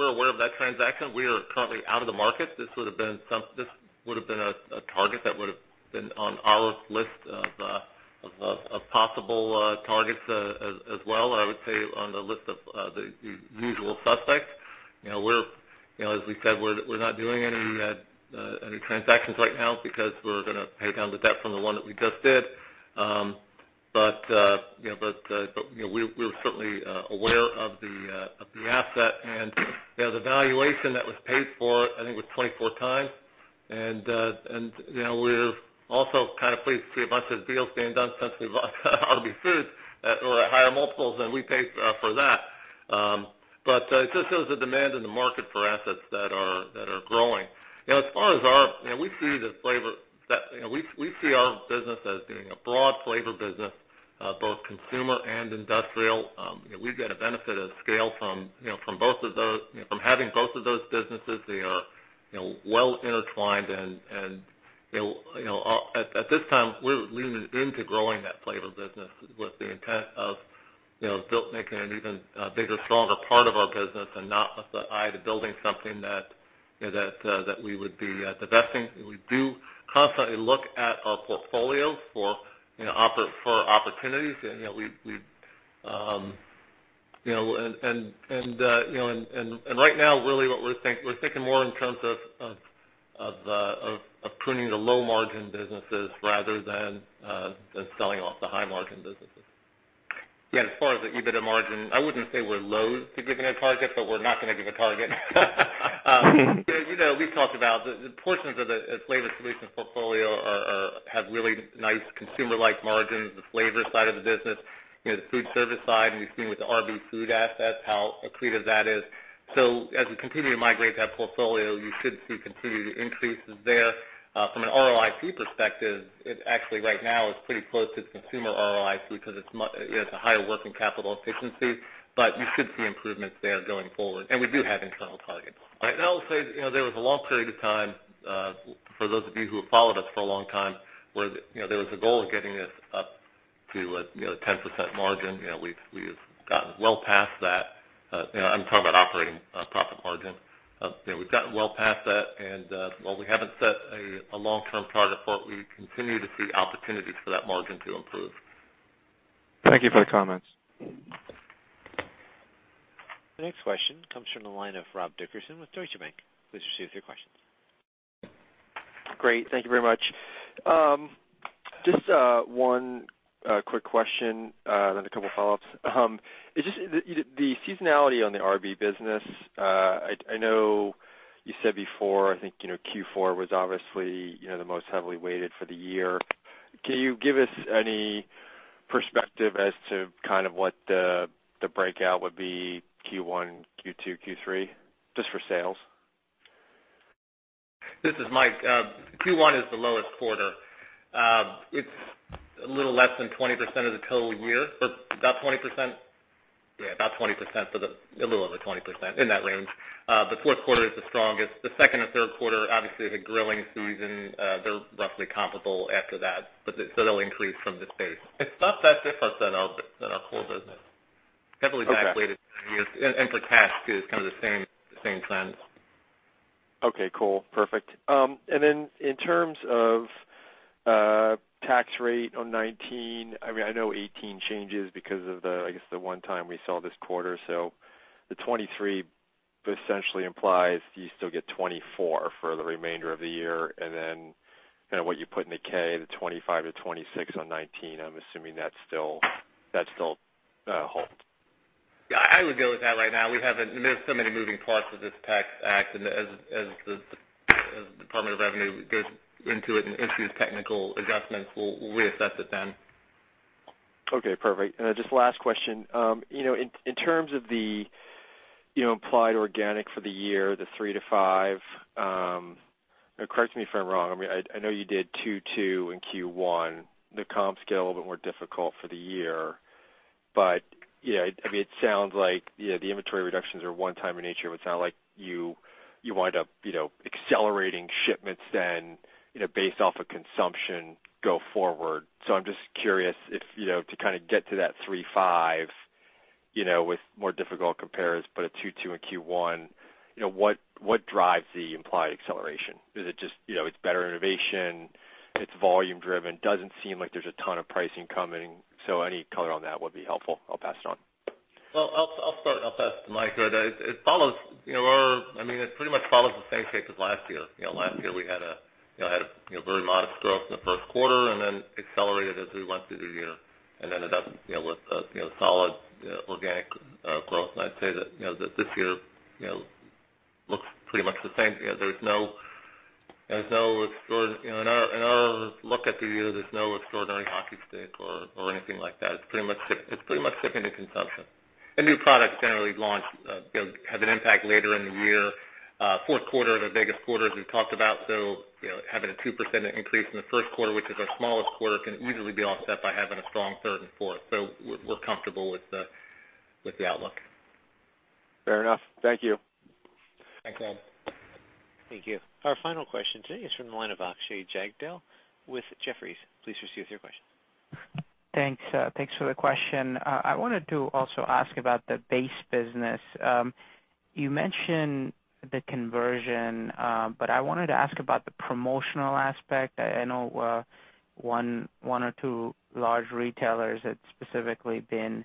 aware of that transaction. We are currently out of the market. This would've been a target that would've been on our list of possible targets as well, I would say on the list of the usual suspects. As we said, we're not doing any transactions right now because we're going to pay down the debt from the one that we just did. We're certainly aware of the asset and the valuation that was paid for, I think it was 24 times. We're also kind of pleased to see a bunch of deals being done since we've bought RB Foods at higher multiples than we paid for that. It just shows the demand in the market for assets that are growing. As far as us, we see our business as being a broad flavor business, both consumer and industrial. We get a benefit of scale from having both of those businesses. They are well intertwined, and at this time, we're leaning into growing that flavor business with the intent of making it an even bigger, stronger part of our business and not with the eye to building something that we would be divesting. We do constantly look at our portfolios for opportunities and right now, really what we're thinking more in terms of pruning the low margin businesses rather than selling off the high margin businesses. Yeah, as far as the EBITDA margin, I wouldn't say we're loath to giving a target, but we're not going to give a target. We've talked about the portions of the Flavor Solutions portfolio have really nice consumer-like margins, the flavor side of the business, the food service side, and you've seen with the RB Foods assets how accretive that is. As we continue to migrate that portfolio, you should see continued increases there. From an ROIC perspective, it actually right now is pretty close to consumer ROIC because it's a higher working capital efficiency, but you should see improvements there going forward. We do have internal targets. I'll say, there was a long period of time, for those of you who have followed us for a long time, where there was a goal of getting this up to a 10% margin. We've gotten well past that. I'm talking about operating profit margin. We've gotten well past that, and, while we haven't set a long-term target for it, we continue to see opportunities for that margin to improve. Thank you for the comments. The next question comes from the line of Rob Dickerson with Deutsche Bank. Please proceed with your questions. Great. Thank you very much. Just one quick question, then a couple of follow-ups. The seasonality on the RB business, I know you said before, I think, Q4 was obviously the most heavily weighted for the year. Can you give us any perspective as to what the breakout would be Q1, Q2, Q3, just for sales? This is Mike. Q1 is the lowest quarter. It's a little less than 20% of the total year. About 20%? Yeah, about 20%, a little over 20%, in that range. The fourth quarter is the strongest. The second or third quarter, obviously, the grilling season, they're roughly comparable after that. They'll increase from this base. It's not that different than our core business. Okay. Heavily backloaded. For Cattlemen's, too, it's kind of the same trend. Okay, cool. Perfect. In terms of tax rate on 2019, I know 2018 changes because of the, I guess the one time we saw this quarter, so the 23% essentially implies you still get 24% for the remainder of the year, then what you put in the K, the 25%-26% on 2019, I'm assuming that still holds. Yeah, I would go with that right now. There's so many moving parts with this US Tax Act, and as the Department of Treasury goes into it and issues technical adjustments, we'll reassess it then. Okay, perfect. Just last question. In terms of the implied organic for the year, the 3%-5%, correct me if I'm wrong. I know you did 2.2% in Q1. The comps get a little bit more difficult for the year. It sounds like the inventory reductions are one time in nature, but it's not like you wind up accelerating shipments then based off of consumption go forward. I'm just curious to kind of get to that 3%-5%, with more difficult compares, but a 2.2% in Q1, what drives the implied acceleration? Is it just it's better innovation? It's volume driven? Doesn't seem like there's a ton of pricing coming, any color on that would be helpful. I'll pass it on. Well, I'll start, and I'll pass to Mike. It pretty much follows the same shape as last year. Last year we had a very modest growth in the first quarter and then accelerated as we went through the year and ended up with a solid organic growth. I'd say that this year looks pretty much the same. In our look at the year, there's no extraordinary hockey stick or anything like that. It's pretty much shipping to consumption. New products generally have an impact later in the year. Fourth quarter, the biggest quarter, as we've talked about, having a 2% increase in the first quarter, which is our smallest quarter, can easily be offset by having a strong third and fourth. We're comfortable with the outlook. Fair enough. Thank you. Thanks, Ed. Thank you. Our final question today is from the line of Akshay Jagdale with Jefferies. Please proceed with your question. Thanks for the question. I wanted to also ask about the base business. You mentioned the conversion, but I wanted to ask about the promotional aspect. I know one or two large retailers had specifically been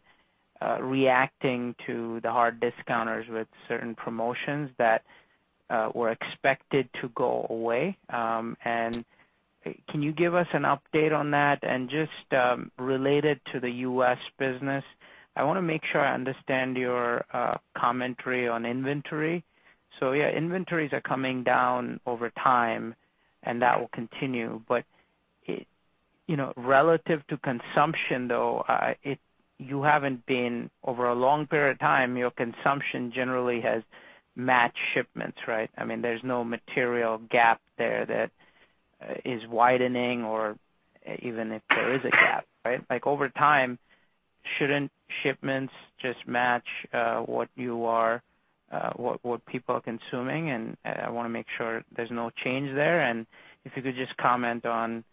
reacting to the hard discounters with certain promotions that were expected to go away. Can you give us an update on that? Just related to the U.S. business, I want to make sure I understand your commentary on inventory. Yeah, inventories are coming down over time, and that will continue. Relative to consumption, though, you haven't been, over a long period of time, your consumption generally has matched shipments, right? There's no material gap there that is widening or even if there is a gap, right? Over time, shouldn't shipments just match what people are consuming? And I want to make sure there's no change there. If you could just comment on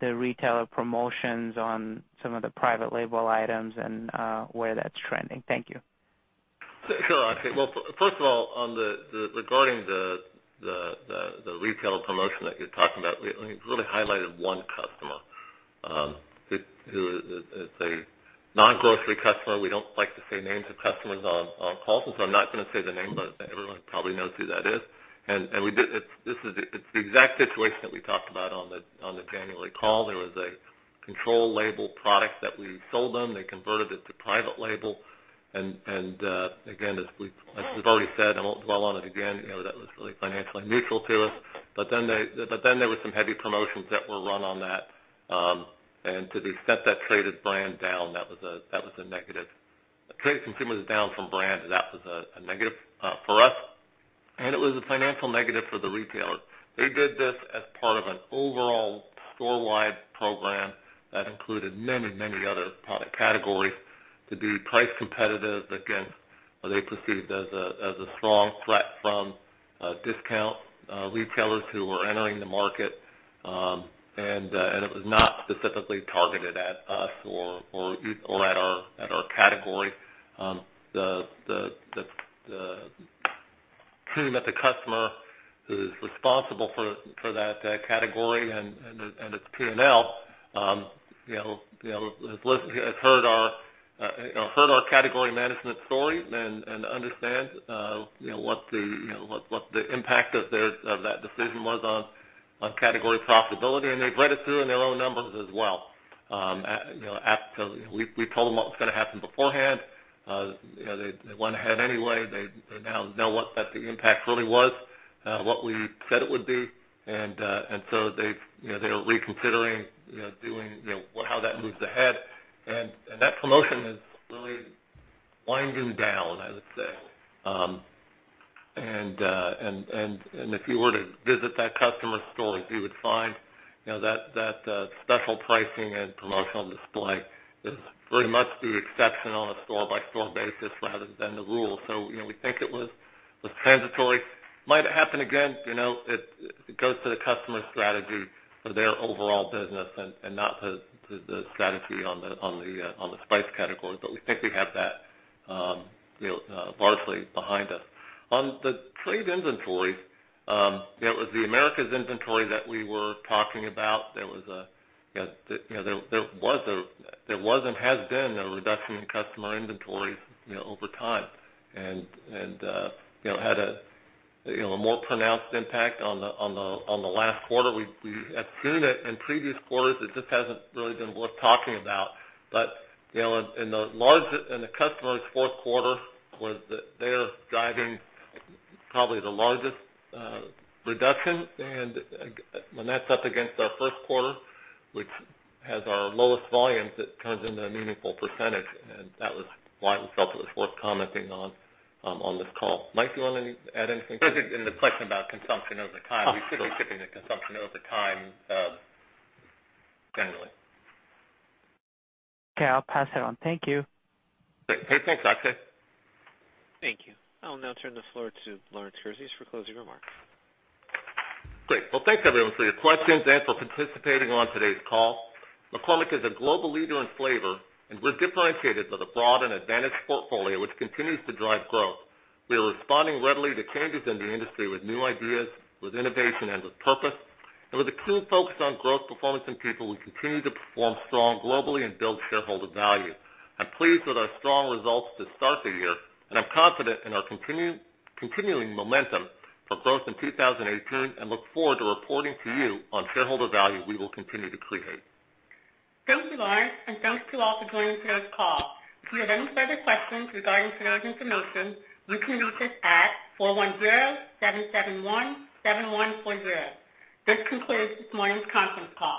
the retailer promotions on some of the private label items and where that's trending. Thank you. Sure, Akshay. Well, first of all, regarding the retailer promotion that you're talking about, you really highlighted one customer. It's a non-grocery customer. We don't like to say names of customers on calls, so I'm not going to say the name, but everyone probably knows who that is. It's the exact situation that we talked about on the January call. There was a control label product that we sold them. They converted it to private label. Again, as we've already said, I won't dwell on it again, that was really financially neutral to us. Then there were some heavy promotions that were run on that. To the extent that traded brand down, that was a negative. Traded consumers down from brand, that was a negative for us. It was a financial negative for the retailer. They did this as part of an overall storewide program that included many other product categories to be price competitive against what they perceived as a strong threat from discount retailers who were entering the market. It was not specifically targeted at us or at our category. The team at the customer who's responsible for that category and its P&L has heard our category management story and understand what the impact of that decision was on category profitability, and they've read it through in their own numbers as well. We told them what was going to happen beforehand. They went ahead anyway. They now know what the impact really was, what we said it would be. So they're reconsidering how that moves ahead. That promotion is winding down, I would say. If you were to visit that customer store, you would find that special pricing and promotional display is very much the exception on a store-by-store basis rather than the rule. We think it was transitory. Might happen again. It goes to the customer strategy for their overall business and not to the strategy on the spice category. We think we have that largely behind us. On the slow inventory, it was the Americas inventory that we were talking about. There was and has been a reduction in customer inventories over time and had a more pronounced impact on the last quarter. We had seen it in previous quarters, it just hasn't really been worth talking about. In the customer's fourth quarter, they're driving probably the largest reduction, and when that's up against our first quarter, which has our lowest volumes, it turns into a meaningful percentage, and that was why we felt it was worth commenting on this call. Mike, do you want to add anything? In the question about consumption over time, we should be shipping the consumption over time generally. Okay. I'll pass it on. Thank you. Hey, thanks, Akshay. Thank you. I'll now turn the floor to Lawrence Kurzius for closing remarks. Great. Well, thanks, everyone, for your questions and for participating on today's call. McCormick is a global leader in flavor, and we're differentiated with a broad and advantaged portfolio, which continues to drive growth. We are responding readily to changes in the industry with new ideas, with innovation, and with purpose. With a keen focus on growth, performance, and people, we continue to perform strong globally and build shareholder value. I'm pleased with our strong results to start the year, and I'm confident in our continuing momentum for growth in 2018 and look forward to reporting to you on shareholder value we will continue to create. Thank you, Lawrence, and thanks to you all for joining today's call. If you have any further questions regarding today's information, you can reach us at 410-771-7140. This concludes this morning's conference call.